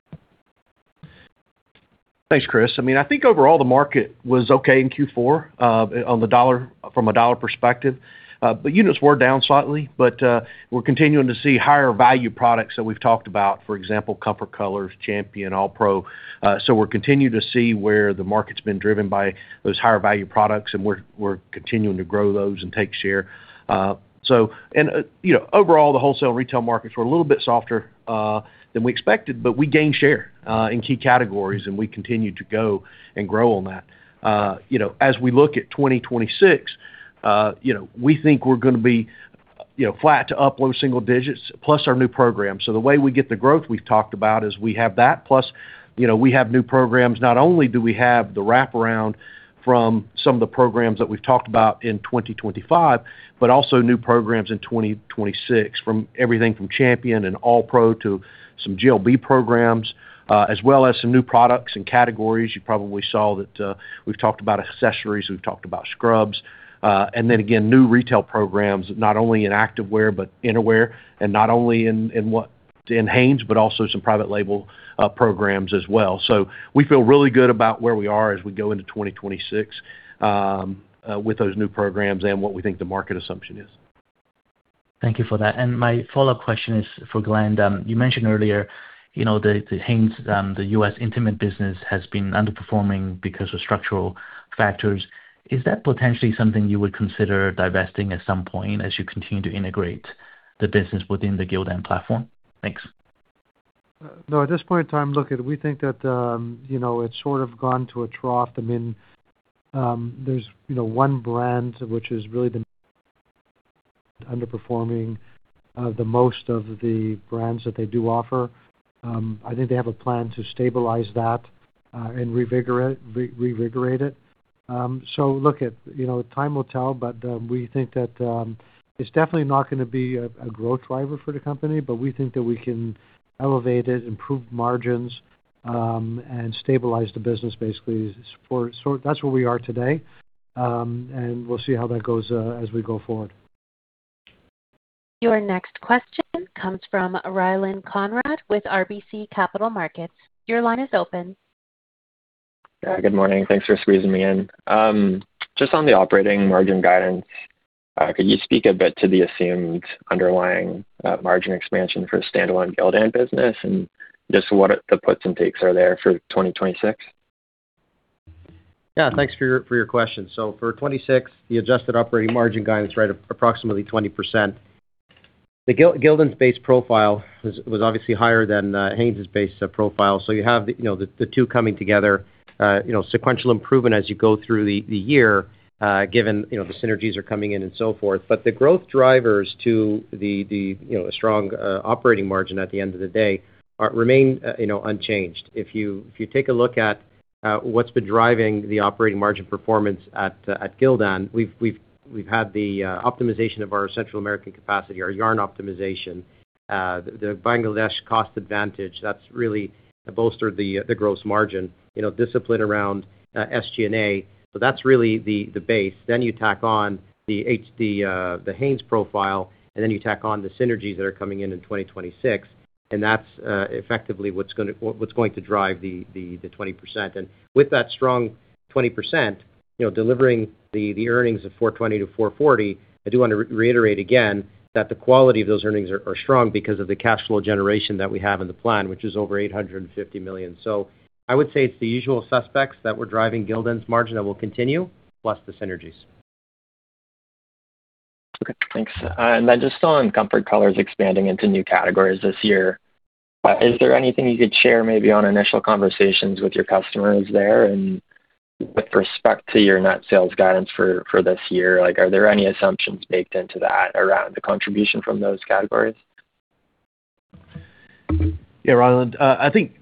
Thanks, Chris. I mean, I think overall, the market was okay in Q4, on the dollar, from a dollar perspective. But units were down slightly, but we're continuing to see higher value products that we've talked about, for example, Comfort Colors, Champion, ALLPRO. So we're continuing to see where the market's been driven by those higher value products, and we're continuing to grow those and take share. And, you know, overall, the wholesale retail markets were a little bit softer than we expected, but we gained share in key categories, and we continued to go and grow on that. You know, as we look at 2026, you know, we think we're gonna be, you know, flat to up low single digits, plus our new program. The way we get the growth we've talked about is we have that, plus, you know, we have new programs. Not only do we have the wraparound from some of the programs that we've talked about in 2025, but also new programs in 2026, from everything from Champion and ALLPRO to some GLB programs, as well as some new products and categories. You probably saw that, we've talked about accessories, we've talked about scrubs, and then again, new retail programs, not only in activewear, but innerwear, and not only in Hanes, but also some private label programs as well. We feel really good about where we are as we go into 2026, with those new programs and what we think the market assumption is. Thank you for that. My follow-up question is for Glenn. You mentioned earlier, you know, the Hanes, the US intimate business has been underperforming because of structural factors. Is that potentially something you would consider divesting at some point as you continue to integrate the business within the Gildan platform? Thanks. No, at this point in time, look, we think that, you know, it's sort of gone to a trough. I mean, there's, you know, one brand which has really been underperforming the most of the brands that they do offer. I think they have a plan to stabilize that and revigorate it. Look at, you know, time will tell, but we think that it's definitely not gonna be a growth driver for the company, but we think that we can elevate it, improve margins, and stabilize the business, basically. That's where we are today, and we'll see how that goes as we go forward. Your next question comes from Ryland Conrad with RBC Capital Markets. Your line is open. Yeah, good morning. Thanks for squeezing me in. Just on the operating margin guidance, could you speak a bit to the assumed underlying margin expansion for the standalone Gildan business and just what the puts and takes are there for 2026? Thanks for your question. For 2026, the adjusted operating margin guidance, right, approximately 20%. Gildan's base profile was obviously higher than Hanes's base profile. You have the two coming together, sequential improvement as you go through the year, given the synergies are coming in and so forth. The growth drivers to the strong operating margin at the end of the day, remain unchanged. If you take a look at what's been driving the operating margin performance at Gildan, we've had the optimization of our Central American capacity, our yarn optimization, the Bangladesh cost advantage, that's really bolstered the gross margin, discipline around SG&A. That's really the base. You tack on the Hanes profile, and then you tack on the synergies that are coming in in 2026, and that's effectively what's going to drive the 20%. With that strong 20%, you know, delivering the earnings of $4.20 to $4.40, I do want to reiterate again that the quality of those earnings are strong because of the cash flow generation that we have in the plan, which is over $850 million. I would say it's the usual suspects that were driving Gildan's margin that will continue, plus the synergies. Okay, thanks. Just on Comfort Colors expanding into new categories this year, is there anything you could share maybe on initial conversations with your customers there? With respect to your net sales guidance for this year, like, are there any assumptions baked into that around the contribution from those categories? Ryland. I think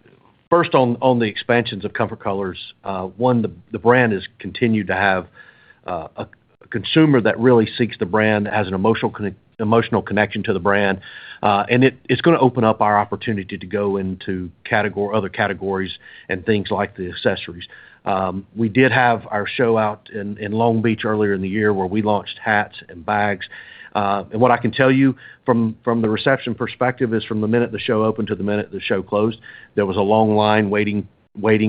first on the expansions of Comfort Colors, one, the brand has continued to have a consumer that really seeks the brand as an emotional emotional connection to the brand, and it's gonna open up our opportunity to go into category, other categories and things like the accessories. We did have our show out in Long Beach earlier in the year, where we launched hats and bags. What I can tell you from the reception perspective, is from the minute the show opened to the minute the show closed, there was a long line waiting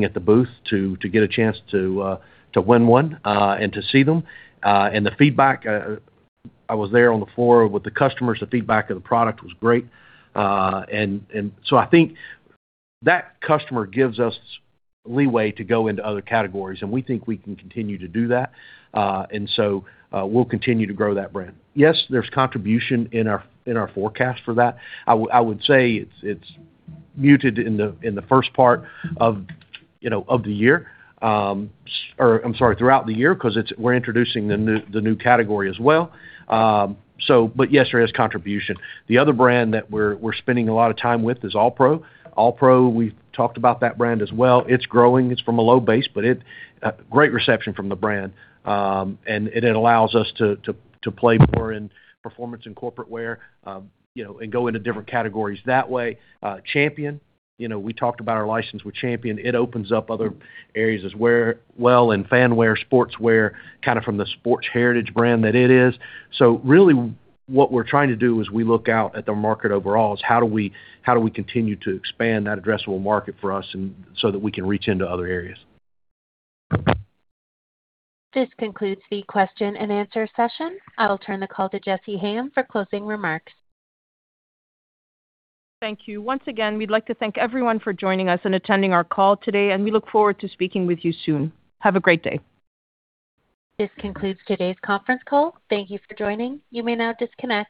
at the booth to get a chance to win one and to see them. And the feedback, I was there on the floor with the customers. The feedback of the product was great. I think that customer gives us leeway to go into other categories, and we think we can continue to do that. We'll continue to grow that brand. Yes, there's contribution in our, in our forecast for that. I would say it's muted in the, in the first part of, you know, of the year. Or I'm sorry, throughout the year, 'cause we're introducing the new category as well. But yes, there is contribution. The other brand that we're spending a lot of time with is ALLPRO. ALLPRO, we've talked about that brand as well. It's growing, it's from a low base, but it, great reception from the brand. It allows us to play more in performance and corporate wear, you know, and go into different categories that way. Champion, you know, we talked about our license with Champion. It opens up other areas as well, and fan wear, sports wear, kind of from the sports heritage brand that it is. Really, what we're trying to do as we look out at the market overall, is how do we continue to expand that addressable market for us and so that we can reach into other areas? This concludes the question-and-answer session. I'll turn the call to Jessy Hayem for closing remarks. Thank you. Once again, we'd like to thank everyone for joining us and attending our call today, and we look forward to speaking with you soon. Have a great day. This concludes today's conference call. Thank you for joining. You may now disconnect.